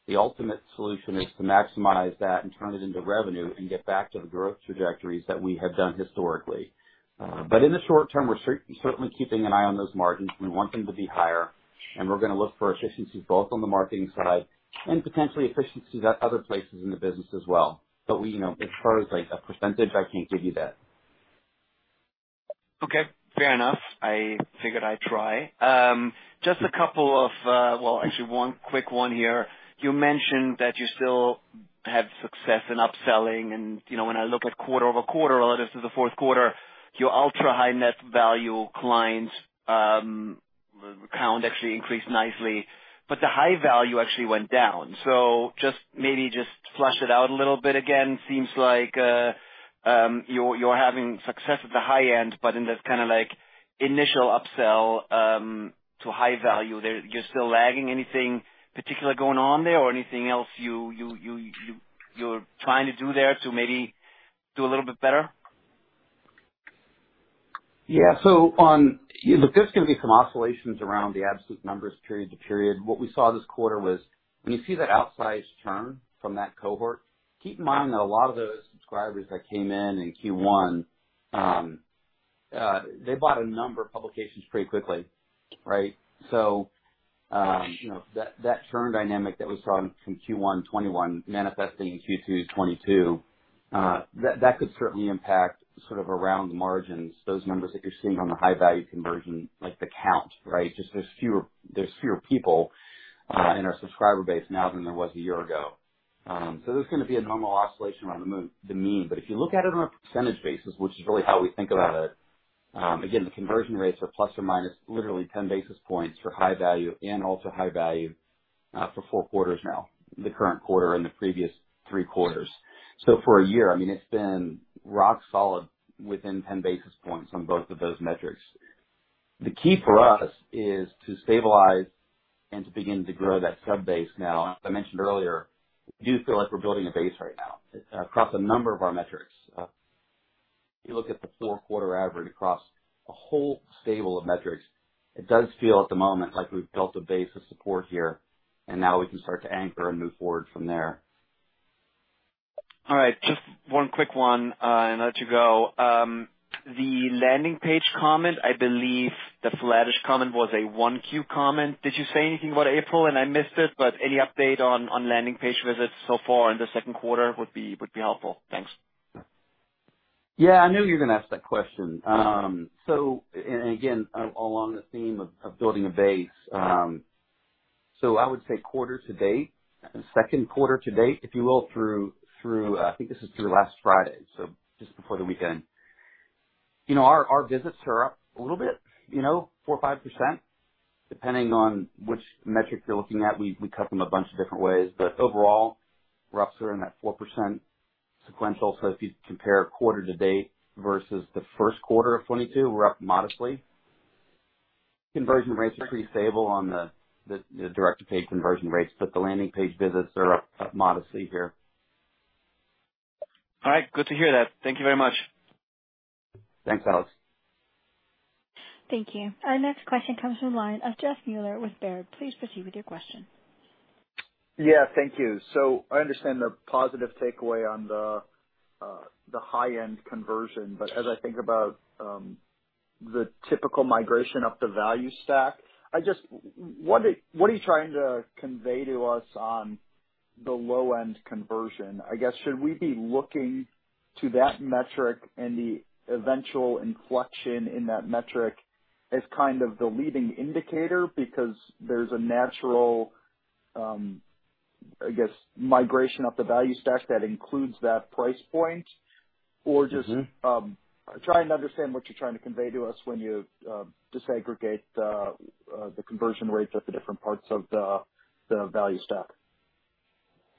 The ultimate solution is to maximize that and turn it into revenue and get back to the growth trajectories that we have done historically. But in the short term, we're certainly keeping an eye on those margins. We want them to be higher. We're gonna look for efficiencies both on the marketing side and potentially efficiencies at other places in the business as well. We, you know, as far as, like, a percentage, I can't give you that. Okay, fair enough. I figured I'd try. Just a couple of, well, actually one quick one here. You mentioned that you still have success in upselling. You know, when I look at quarter-over-quarter, relative to the Q4, your ultra-high net worth clients count actually increased nicely, but the high-value actually went down. Just maybe flesh it out a little bit again. Seems like you're having success at the high end, but in this kinda like initial upsell to high-value there, you're still lagging. Anything particular going on there or anything else you're trying to do there to maybe do a little bit better? Yeah. Look, there's gonna be some oscillations around the absolute numbers period to period. What we saw this quarter was when you see that outsized churn from that cohort, keep in mind that a lot of those subscribers that came in in Q1 2021, they bought a number of publications pretty quickly, right? You know, that churn dynamic that we saw from Q1 2021 manifesting in Q2 2022, that could certainly impact sort of around the margins, those numbers that you're seeing on the high value conversion, like the count, right? Just there's fewer people in our subscriber base now than there was a year ago. There's gonna be a normal oscillation around the mean. If you look at it on a percentage basis, which is really how we think about it, again, the conversion rates are plus or minus literally 10 basis points for high value, for four quarters now, the current quarter and the previous three quarters. For a year, I mean, it has been rock solid within 10 basis points on both of those metrics. The key for us is to stabilize and to begin to grow that sub base now. As I mentioned earlier, we do feel like we are building a base right now across a number of our metrics. If you look at the Q4 average across a whole stable of metrics, it does feel at the moment like we have built a base of support here, and now we can start to anchor and move forward from there. All right, just one quick one, and I'll let you go. The landing page comment, I believe the flattish comment was a Q1 comment. Did you say anything about April and I missed it, but any update on landing page visits so far in the second quarter would be helpful. Thanks. Yeah. I knew you were gonna ask that question. And again, along the theme of building a base, I would say quarter to date, Q2 to date, if you will, through, I think this is through last Friday, so just before the weekend. You know, our visits are up a little bit, you know, 4% or 5%, depending on which metric you're looking at. We cut them a bunch of different ways. But overall, we're up sort of in that 4% sequential. If you compare quarter to date versus the Q1 of 2022, we're up modestly. Conversion rates are pretty stable on the direct-to-paid conversion rates, but the landing page visits are up modestly here. All right, good to hear that. Thank you very much. Thanks, Alex. Thank you. Our next question comes from the line of Jeff Meuler with Baird. Please proceed with your question. Yeah, thank you. I understand the positive takeaway on the high-end conversion. As I think about the typical migration up the value stack, I just what are you trying to convey to us on the low-end conversion? I guess, should we be looking to that metric and the eventual inflection in that metric as kind of the leading indicator because there's a natural, I guess, migration up the value stack that includes that price point? Mm-hmm. Just trying to understand what you're trying to convey to us when you disaggregate the conversion rates at the different parts of the value stack.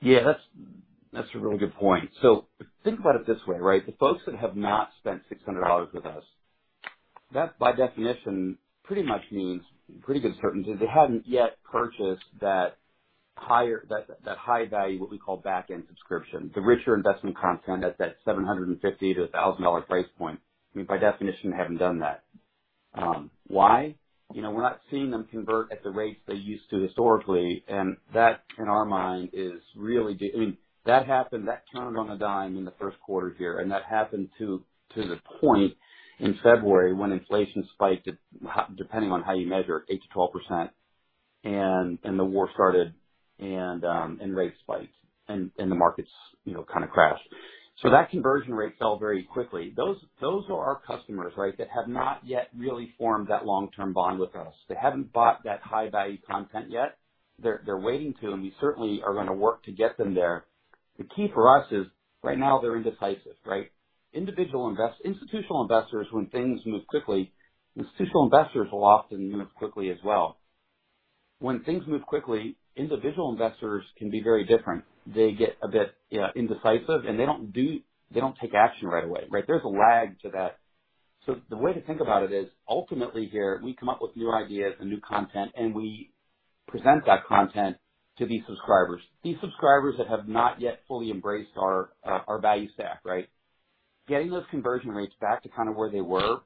Yeah, that's a really good point. So think about it this way, right? The folks that have not spent $600 with us, that by definition pretty much means pretty good certainty they haven't yet purchased that higher, high value, what we call backend subscription, the richer investment content at that $750-$1,000 price point. I mean, by definition, they haven't done that. Why? You know, we're not seeing them convert at the rates they used to historically. That, in our mind, is really the. I mean, that happened, that turned on a dime in the Q1 here, and that happened to the point in February when inflation spiked, depending on how you measure, 8%-12%, and the war started, and rates spiked, and the markets, you know, kind of crashed. That conversion rate fell very quickly. Those are our customers, right, that have not yet really formed that long-term bond with us. They haven't bought that high value content yet. They're waiting to, and we certainly are gonna work to get them there. The key for us is right now they're indecisive, right? Institutional investors, when things move quickly, institutional investors will often move quickly as well. When things move quickly, individual investors can be very different. They get a bit indecisive, and they don't take action right away, right? There's a lag to that. The way to think about it is, ultimately here we come up with new ideas and new content, and we present that content to these subscribers, these subscribers that have not yet fully embraced our value stack, right? Getting those conversion rates back to kind of where they were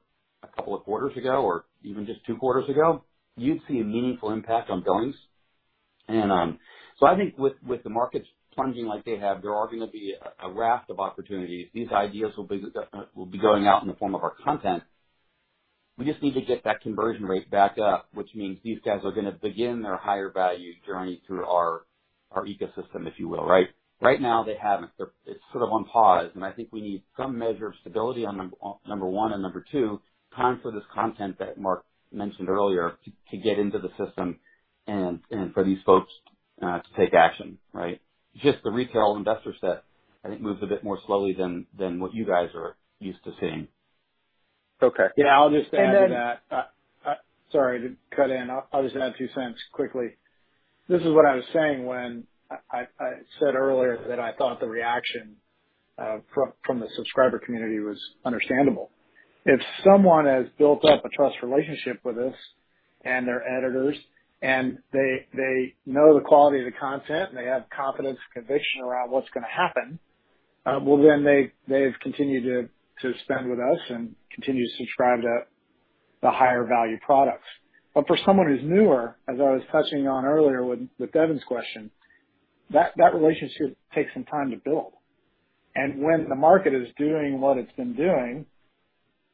a couple of quarters ago or even just two quarters ago, you'd see a meaningful impact on billings. I think with the markets plunging like they have, there are gonna be a raft of opportunities. These ideas will be going out in the form of our content. We just need to get that conversion rate back up, which means these guys are gonna begin their higher value journey through our ecosystem, if you will, right? Right now, they haven't. They're, it's sort of on pause, and I think we need some measure of stability on number one, and number two, time for this content that Mark mentioned earlier to get into the system and for these folks to take action, right? Just the retail investor set, I think, moves a bit more slowly than what you guys are used to seeing. Okay. Yeah. I'll just add to that. And then- Sorry to cut in. I'll just add two cents quickly. This is what I was saying when I said earlier that I thought the reaction from the subscriber community was understandable. If someone has built up a trust relationship with us and their editors and they know the quality of the content and they have confidence and conviction around what's gonna happen. Well, they've continued to spend with us and continue to subscribe to the higher value products. For someone who's newer, as I was touching on earlier with Devin's question, that relationship takes some time to build. When the market is doing what it's been doing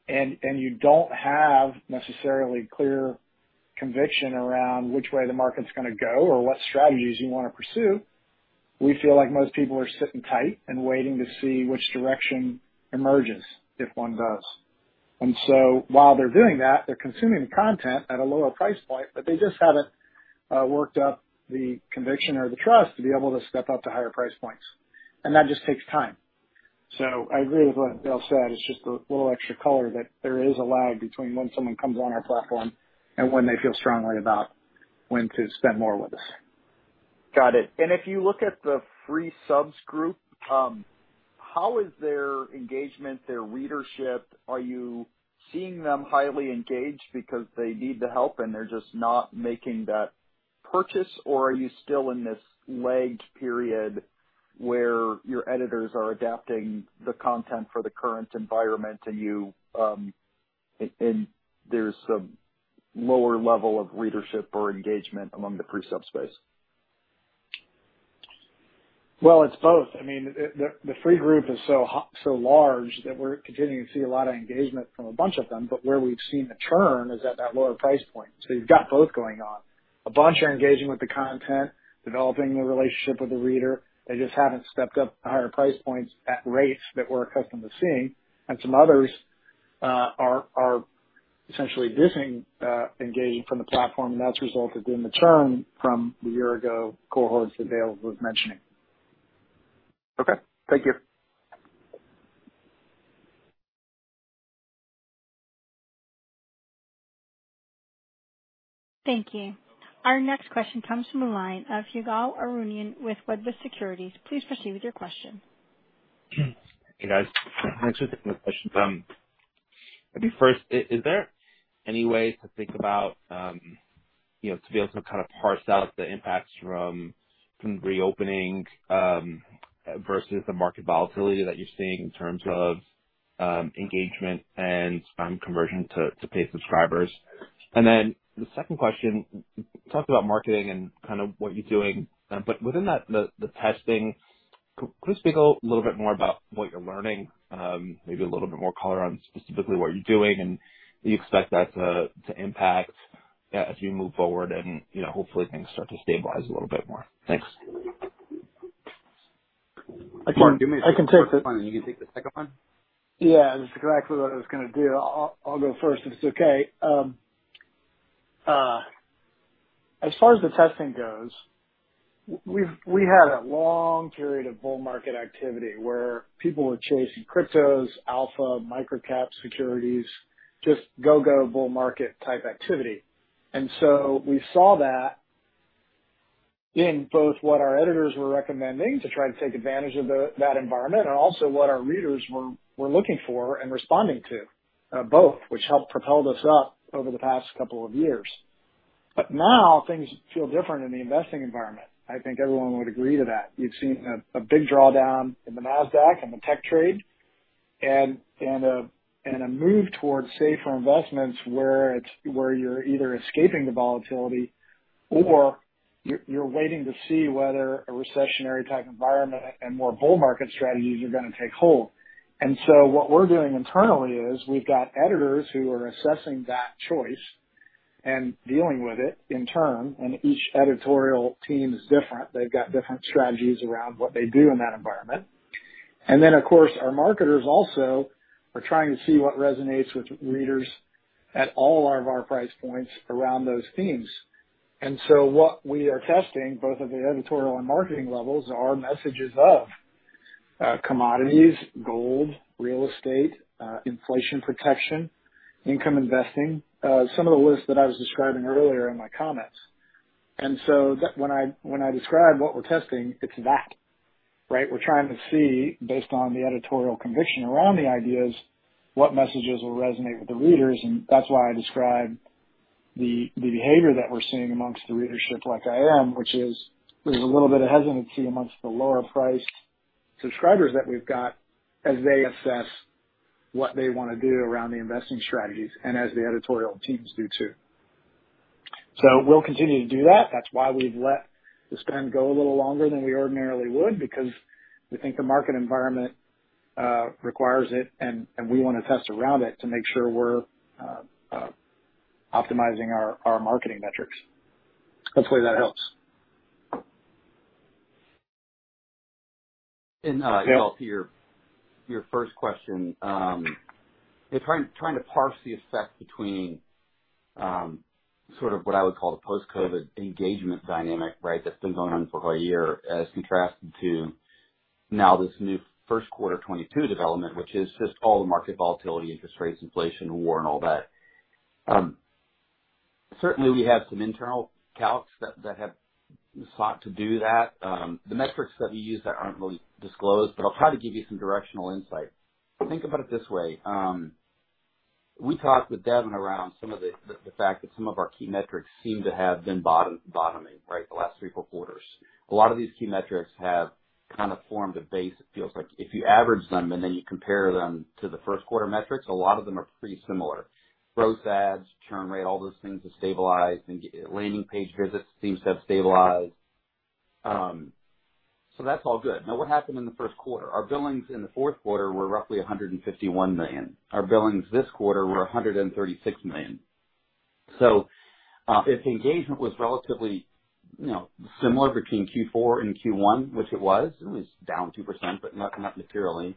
and you don't have necessarily clear conviction around which way the market's gonna go or what strategies you wanna pursue, we feel like most people are sitting tight and waiting to see which direction emerges, if one does. While they're doing that, they're consuming the content at a lower price point, but they just haven't worked up the conviction or the trust to be able to step up to higher price points. That just takes time. I agree with what Dale said, it's just a little extra color that there is a lag between when someone comes on our platform and when they feel strongly about when to spend more with us. Got it. If you look at the free subs group, how is their engagement, their readership? Are you seeing them highly engaged because they need the help and they're just not making that purchase? Or are you still in this lagged period where your editors are adapting the content for the current environment and you, and there's some lower level of readership or engagement among the free sub space? Well, it's both. I mean the free group is so hot, so large that we're continuing to see a lot of engagement from a bunch of them. Where we've seen the churn is at that lower price point. You've got both going on. A bunch are engaging with the content, developing the relationship with the reader. They just haven't stepped up to higher price points at rates that we're accustomed to seeing. Some others are essentially disengaging from the platform. That's resulted in the churn from the year ago cohorts that Dale was mentioning. Okay, thank you. Thank you. Our next question comes from the line of Ygal Arounian with Wedbush Securities. Please proceed with your question. Hey, guys. Thanks for taking my questions. Maybe first, is there any way to think about, you know, to be able to kind of parse out the impacts from some reopening, versus the market volatility that you're seeing in terms of, engagement and, conversion to paid subscribers? Then the second question, you talked about marketing and kind of what you're doing, but within that, the testing, could you speak a little bit more about what you're learning, maybe a little bit more color on specifically what you're doing and do you expect that to impact as you move forward and, you know, hopefully things start to stabilize a little bit more? Thanks. I can- Mark, do you wanna take the first one and you can take the second one? Yeah, that's exactly what I was gonna do. I'll go first if it's okay. As far as the testing goes, we had a long period of bull market activity where people were chasing cryptos, alpha, microcap securities, just go-go bull market type activity. We saw that in both what our editors were recommending to try to take advantage of that environment and also what our readers were looking for and responding to, both, which helped propel us up over the past couple of years. Now things feel different in the investing environment. I think everyone would agree to that. You've seen a big drawdown in the Nasdaq and the tech trade and a move towards safer investments where you're either escaping the volatility or you're waiting to see whether a recessionary type environment and more bull market strategies are gonna take hold. What we're doing internally is we've got editors who are assessing that choice and dealing with it in turn. Each editorial team is different. They've got different strategies around what they do in that environment. Then of course, our marketers also are trying to see what resonates with readers at all of our price points around those themes. What we are testing both at the editorial and marketing levels are messages of commodities, gold, real estate, inflation protection, income investing, some of the lists that I was describing earlier in my comments. When I describe what we're testing, it's that, right? We're trying to see based on the editorial conviction around the ideas, what messages will resonate with the readers. That's why I describe the behavior that we're seeing amongst the readership like I am, which is there's a little bit of hesitancy amongst the lower priced subscribers that we've got as they assess what they want to do around the investing strategies and as the editorial teams do too. We'll continue to do that. That's why we've let the spend go a little longer than we ordinarily would because we think the market environment requires it and we want to test around it to make sure we're optimizing our marketing metrics. Hopefully that helps. And, uh- Dale? To your first question, trying to parse the effect between sort of what I would call the post-COVID engagement dynamic, right? That's been going on for over a year as contrasted to now this new Q1 2022 development, which is just all the market volatility, interest rates, inflation, war and all that. Certainly we have some internal calcs that have sought to do that. The metrics that we use there aren't really disclosed, but I'll try to give you some directional insight. Think about it this way. We talked with Devin around some of the fact that some of our key metrics seem to have been bottoming, right, the last three, four quarters. A lot of these key metrics have kind of formed a base, it feels like. If you average them and then you compare them to the Q1 metrics, a lot of them are pretty similar. Gross adds, churn rate, all those things have stabilized. Landing page visits seems to have stabilized. That's all good. Now, what happened in the Q1? Our billings in the Q4 were roughly $151 million. Our billings this quarter were $136 million. If the engagement was relatively, you know, similar between Q4 and Q1, which it was, it was down 2%, but not materially.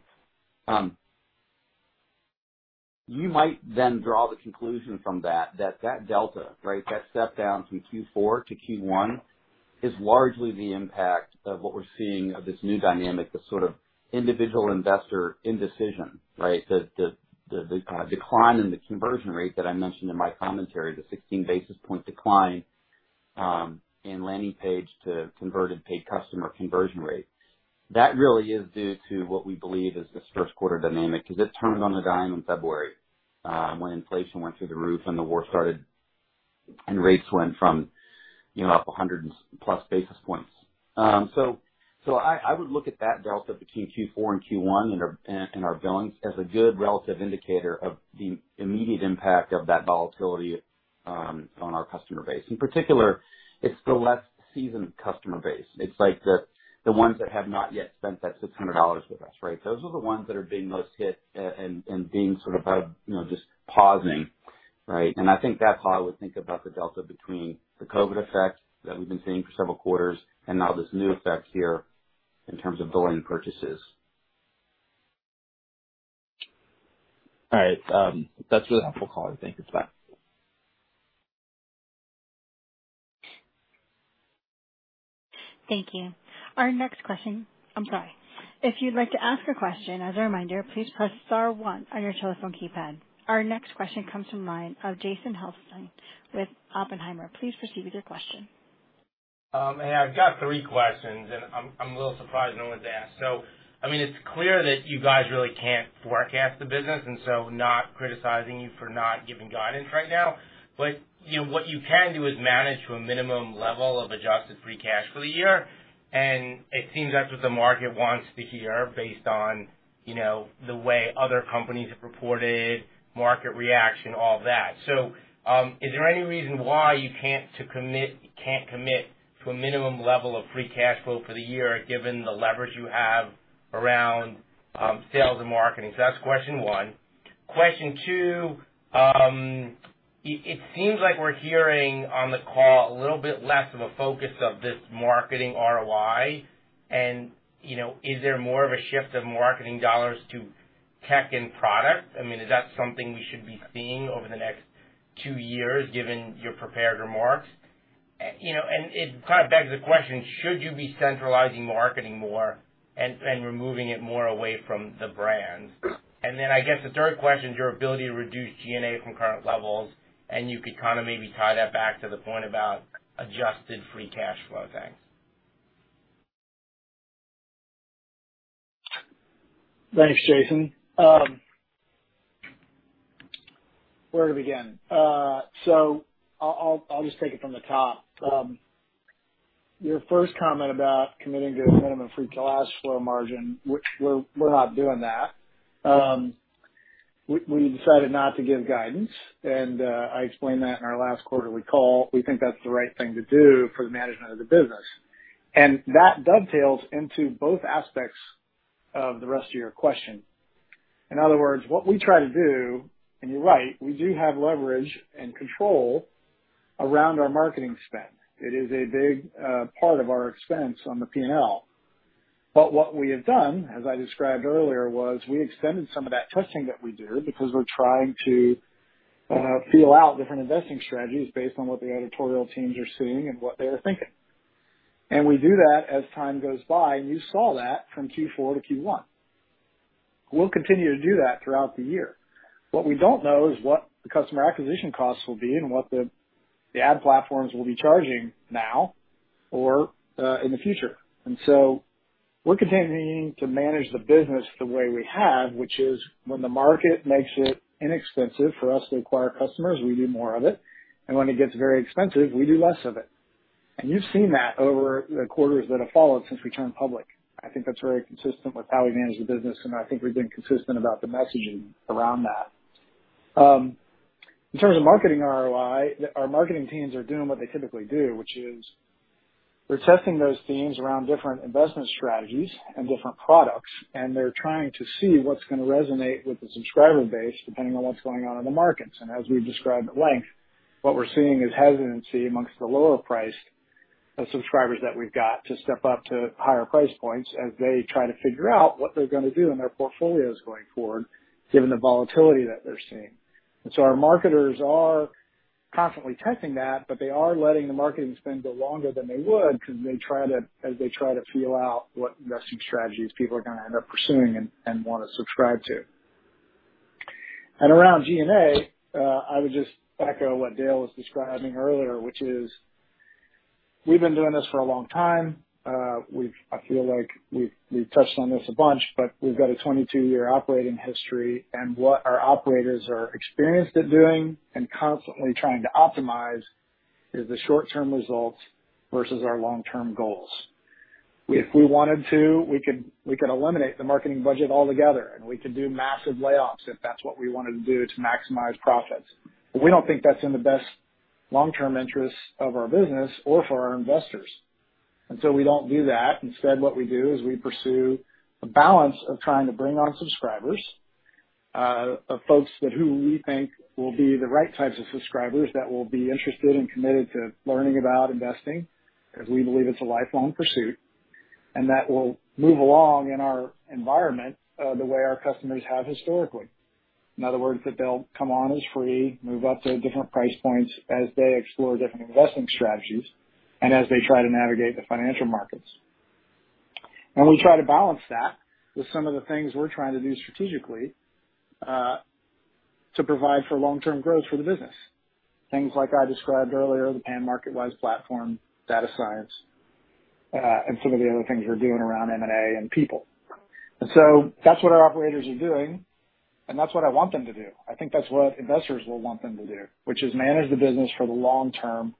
You might then draw the conclusion from that delta, right, that step down from Q4 to Q1 is largely the impact of what we're seeing of this new dynamic, the sort of individual investor indecision, right? The decline in the conversion rate that I mentioned in my commentary, the 16 basis point decline, in landing page to converted paid customer conversion rate. That really is due to what we believe is this Q1 dynamic, because it turned on a dime in February, when inflation went through the roof and the war started and rates went from, you know, up a hundred and 50-plus basis points. So I would look at that delta between Q4 and Q1 and our billings as a good relative indicator of the immediate impact of that volatility, on our customer base. In particular, it's the less seasoned customer base. It's like the ones that have not yet spent that $600 with us, right? Those are the ones that are being most hit, and being sort of, you know, just pausing, right? I think that's how I would think about the delta between the COVID effect that we've been seeing for several quarters and now this new effect here in terms of billing purchases. All right. That's really helpful, Colin. Thank you. Bye. Thank you. If you'd like to ask a question, as a reminder, please press star one on your telephone keypad. Our next question comes from the line of Jason Helfstein with Oppenheimer. Please proceed with your question. Hey, I've got three questions, and I'm a little surprised no one's asked. I mean, it's clear that you guys really can't forecast the business, and not criticizing you for not giving guidance right now. You know, what you can do is manage to a minimum level of adjusted free cash for the year. It seems that's what the market wants to hear based on, you know, the way other companies have reported market reaction, all that. Is there any reason why you can't commit to a minimum level of free cash flow for the year, given the leverage you have around sales and marketing? That's question one. Question two, it seems like we're hearing on the call a little bit less of a focus of this marketing ROI. You know, is there more of a shift of marketing dollars to tech and product? I mean, is that something we should be seeing over the next two years, given your prepared remarks? You know, and it kind of begs the question, should you be centralizing marketing more and removing it more away from the brands? I guess the third question is your ability to reduce G&A from current levels, and you could kind of maybe tie that back to the point about adjusted free cash flow. Thanks. Thanks, Jason. Where to begin? I'll just take it from the top. Your first comment about committing to a minimum free cash flow margin, which we're not doing that. We decided not to give guidance, and I explained that in our last quarterly call. We think that's the right thing to do for the management of the business. That dovetails into both aspects of the rest of your question. In other words, what we try to do, and you're right, we do have leverage and control around our marketing spend. It is a big part of our expense on the P&L. What we have done, as I described earlier, was we extended some of that testing that we do because we're trying to feel out different investing strategies based on what the editorial teams are seeing and what they are thinking. We do that as time goes by, and you saw that from Q4 to Q1. We'll continue to do that throughout the year. What we don't know is what the customer acquisition costs will be and what the ad platforms will be charging now or in the future. We're continuing to manage the business the way we have, which is when the market makes it inexpensive for us to acquire customers, we do more of it. When it gets very expensive, we do less of it. You've seen that over the quarters that have followed since we turned public. I think that's very consistent with how we manage the business, and I think we've been consistent about the messaging around that. In terms of marketing ROI, our marketing teams are doing what they typically do, which is they're testing those themes around different investment strategies and different products, and they're trying to see what's gonna resonate with the subscriber base depending on what's going on in the markets. As we've described at length, what we're seeing is hesitancy amongst the lower priced subscribers that we've got to step up to higher price points as they try to figure out what they're gonna do in their portfolios going forward, given the volatility that they're seeing. Our marketers are constantly testing that, but they are letting the marketing spend go longer than they would because they try to feel out what investing strategies people are gonna end up pursuing and wanna subscribe to. Around G&A, I would just echo what Dale was describing earlier, which is. We've been doing this for a long time. I feel like we've touched on this a bunch, but we've got a 22-year operating history and what our operators are experienced at doing and constantly trying to optimize is the short-term results versus our long-term goals. If we wanted to, we could eliminate the marketing budget altogether, and we could do massive layoffs if that's what we wanted to do to maximize profits. We don't think that's in the best long-term interests of our business or for our investors. We don't do that. Instead, what we do is we pursue a balance of trying to bring on subscribers, of folks who we think will be the right types of subscribers that will be interested and committed to learning about investing, as we believe it's a lifelong pursuit, and that will move along in our environment, the way our customers have historically. In other words, that they'll come on as free, move up to different price points as they explore different investment strategies and as they try to navigate the financial markets. We try to balance that with some of the things we're trying to do strategically, to provide for long-term growth for the business. Things like I described earlier, the pan MarketWise platform, data science, and some of the other things we're doing around M&A and people. That's what our operators are doing, and that's what I want them to do. I think that's what investors will want them to do, which is manage the business for the long term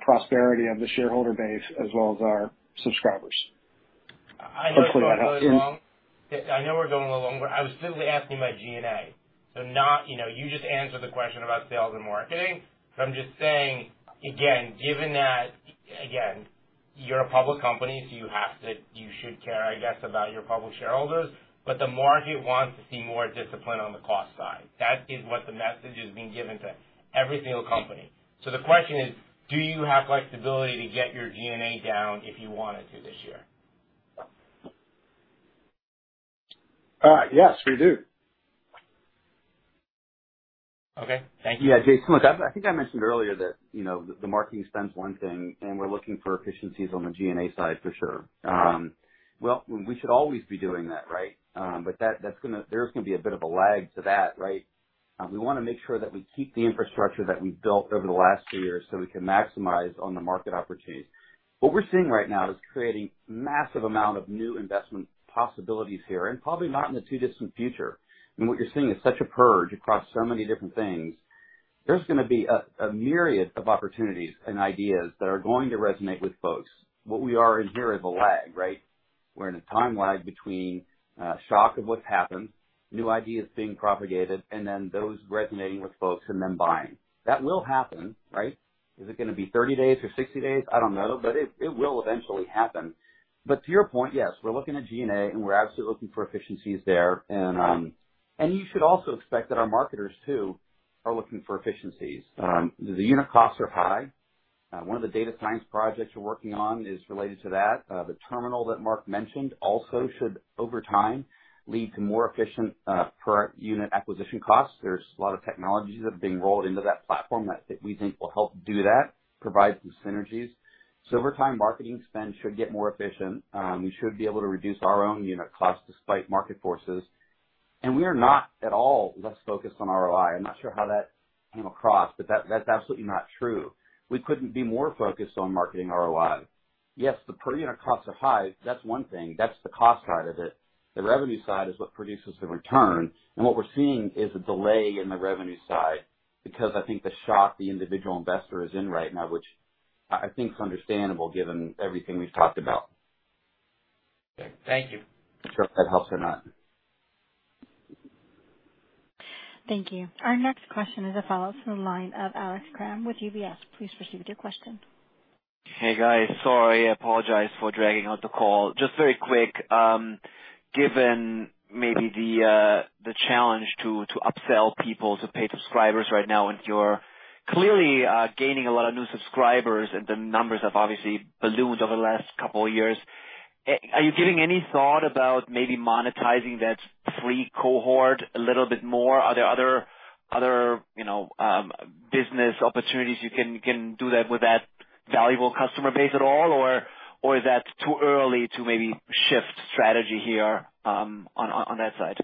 prosperity of the shareholder base as well as our subscribers. I know we're going a little long. I was simply asking about G&A. You know, you just answered the question about sales and marketing. I'm just saying again, given that, again, you're a public company, you should care, I guess, about your public shareholders. The market wants to see more discipline on the cost side. That is what the message is being given to every single company. The question is, do you have flexibility to get your G&A down if you wanted to this year? Yes, we do. Okay. Thank you. Yeah. Jason, look, I think I mentioned earlier that, you know, the marketing spend's one thing, and we're looking for efficiencies on the G&A side for sure. Well, we should always be doing that, right? But there is gonna be a bit of a lag to that, right? We wanna make sure that we keep the infrastructure that we've built over the last few years so we can maximize on the market opportunities. What we're seeing right now is creating massive amount of new investment possibilities here and probably not in the too distant future. What you're seeing is such a purge across so many different things. There's gonna be a myriad of opportunities and ideas that are going to resonate with folks. What we are in here is a lag, right? We're in a time lag between shock of what's happened, new ideas being propagated, and then those resonating with folks and them buying. That will happen, right? Is it gonna be 30 days or 60 days? I don't know. It will eventually happen. To your point, yes, we're looking at G&A, and we're absolutely looking for efficiencies there. You should also expect that our marketers, too, are looking for efficiencies. The unit costs are high. One of the data science projects we're working on is related to that. The terminal that Mark mentioned also should, over time, lead to more efficient per unit acquisition costs. There's a lot of technologies that are being rolled into that platform that we think will help do that, provide some synergies. Over time, marketing spend should get more efficient. We should be able to reduce our own unit costs despite market forces. We are not at all less focused on ROI. I'm not sure how that came across, but that's absolutely not true. We couldn't be more focused on marketing ROI. Yes, the per unit costs are high. That's one thing. That's the cost side of it. The revenue side is what produces the return. What we're seeing is a delay in the revenue side because I think the shock the individual investor is in right now, which I think is understandable given everything we've talked about. Thank you. Not sure if that helps or not. Thank you. Our next question is a follow-up from the line of Alex Kramm with UBS. Please proceed with your question. Hey, guys. Sorry, I apologize for dragging out the call. Just very quick. Given maybe the challenge to upsell people to pay subscribers right now, and you're clearly gaining a lot of new subscribers, and the numbers have obviously ballooned over the last couple of years. Are you giving any thought about maybe monetizing that free cohort a little bit more? Are there other, you know, business opportunities you can do that with that valuable customer base at all? Or is that too early to maybe shift strategy here on that side?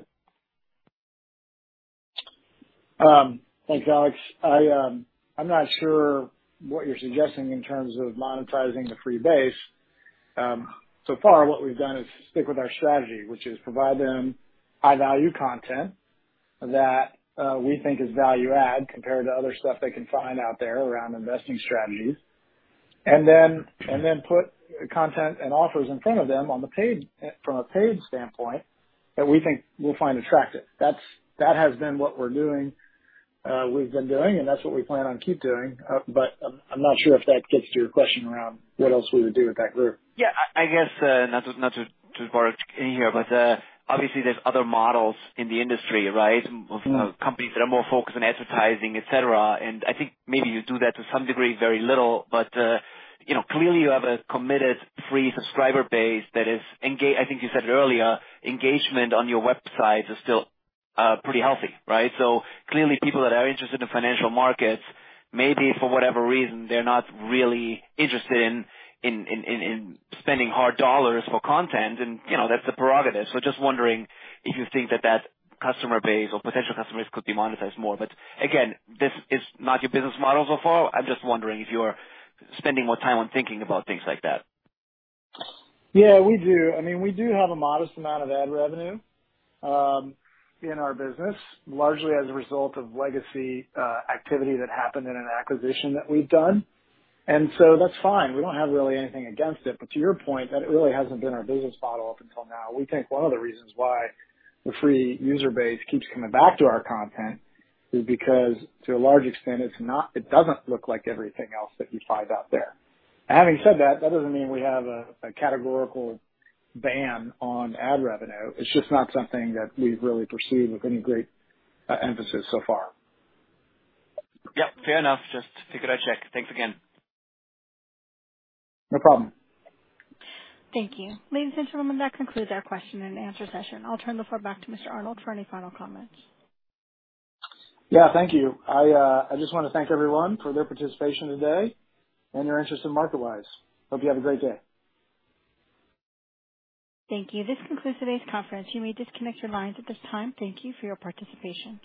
Thanks, Alex. I'm not sure what you're suggesting in terms of monetizing the free base. So far, what we've done is stick with our strategy, which is provide them high value content that we think is value add compared to other stuff they can find out there around investing strategies. Put content and offers in front of them from a paid standpoint that we think they'll find attractive. That has been what we're doing, we've been doing, and that's what we plan on keep doing. I'm not sure if that gets to your question around what else we would do with that group. Yeah, I guess not to barge in here, but obviously there's other models in the industry, right? Mm-hmm. Of companies that are more focused on advertising, et cetera. I think maybe you do that to some degree, very little. You know, clearly you have a committed free subscriber base. I think you said it earlier, engagement on your website is still pretty healthy, right? Clearly people that are interested in financial markets, maybe for whatever reason, they're not really interested in spending hard dollars for content. You know, that's the prerogative. Just wondering if you think that customer base or potential customers could be monetized more. Again, this is not your business model so far. I'm just wondering if you are spending more time on thinking about things like that. Yeah, we do. I mean, we do have a modest amount of ad revenue in our business, largely as a result of legacy activity that happened in an acquisition that we've done. That's fine. We don't have really anything against it. To your point, that it really hasn't been our business model up until now. We think one of the reasons why the free user base keeps coming back to our content is because to a large extent, it doesn't look like everything else that you find out there. Having said that doesn't mean we have a categorical ban on ad revenue. It's just not something that we've really pursued with any great emphasis so far. Yep, fair enough. Just figured I'd check. Thanks again. No problem. Thank you. Ladies and gentlemen, that concludes our question and answer session. I'll turn the floor back to Mr. Arnold for any final comments. Yeah, thank you. I just wanna thank everyone for their participation today and your interest in MarketWise. Hope you have a great day. Thank you. This concludes today's conference. You may disconnect your lines at this time. Thank you for your participation.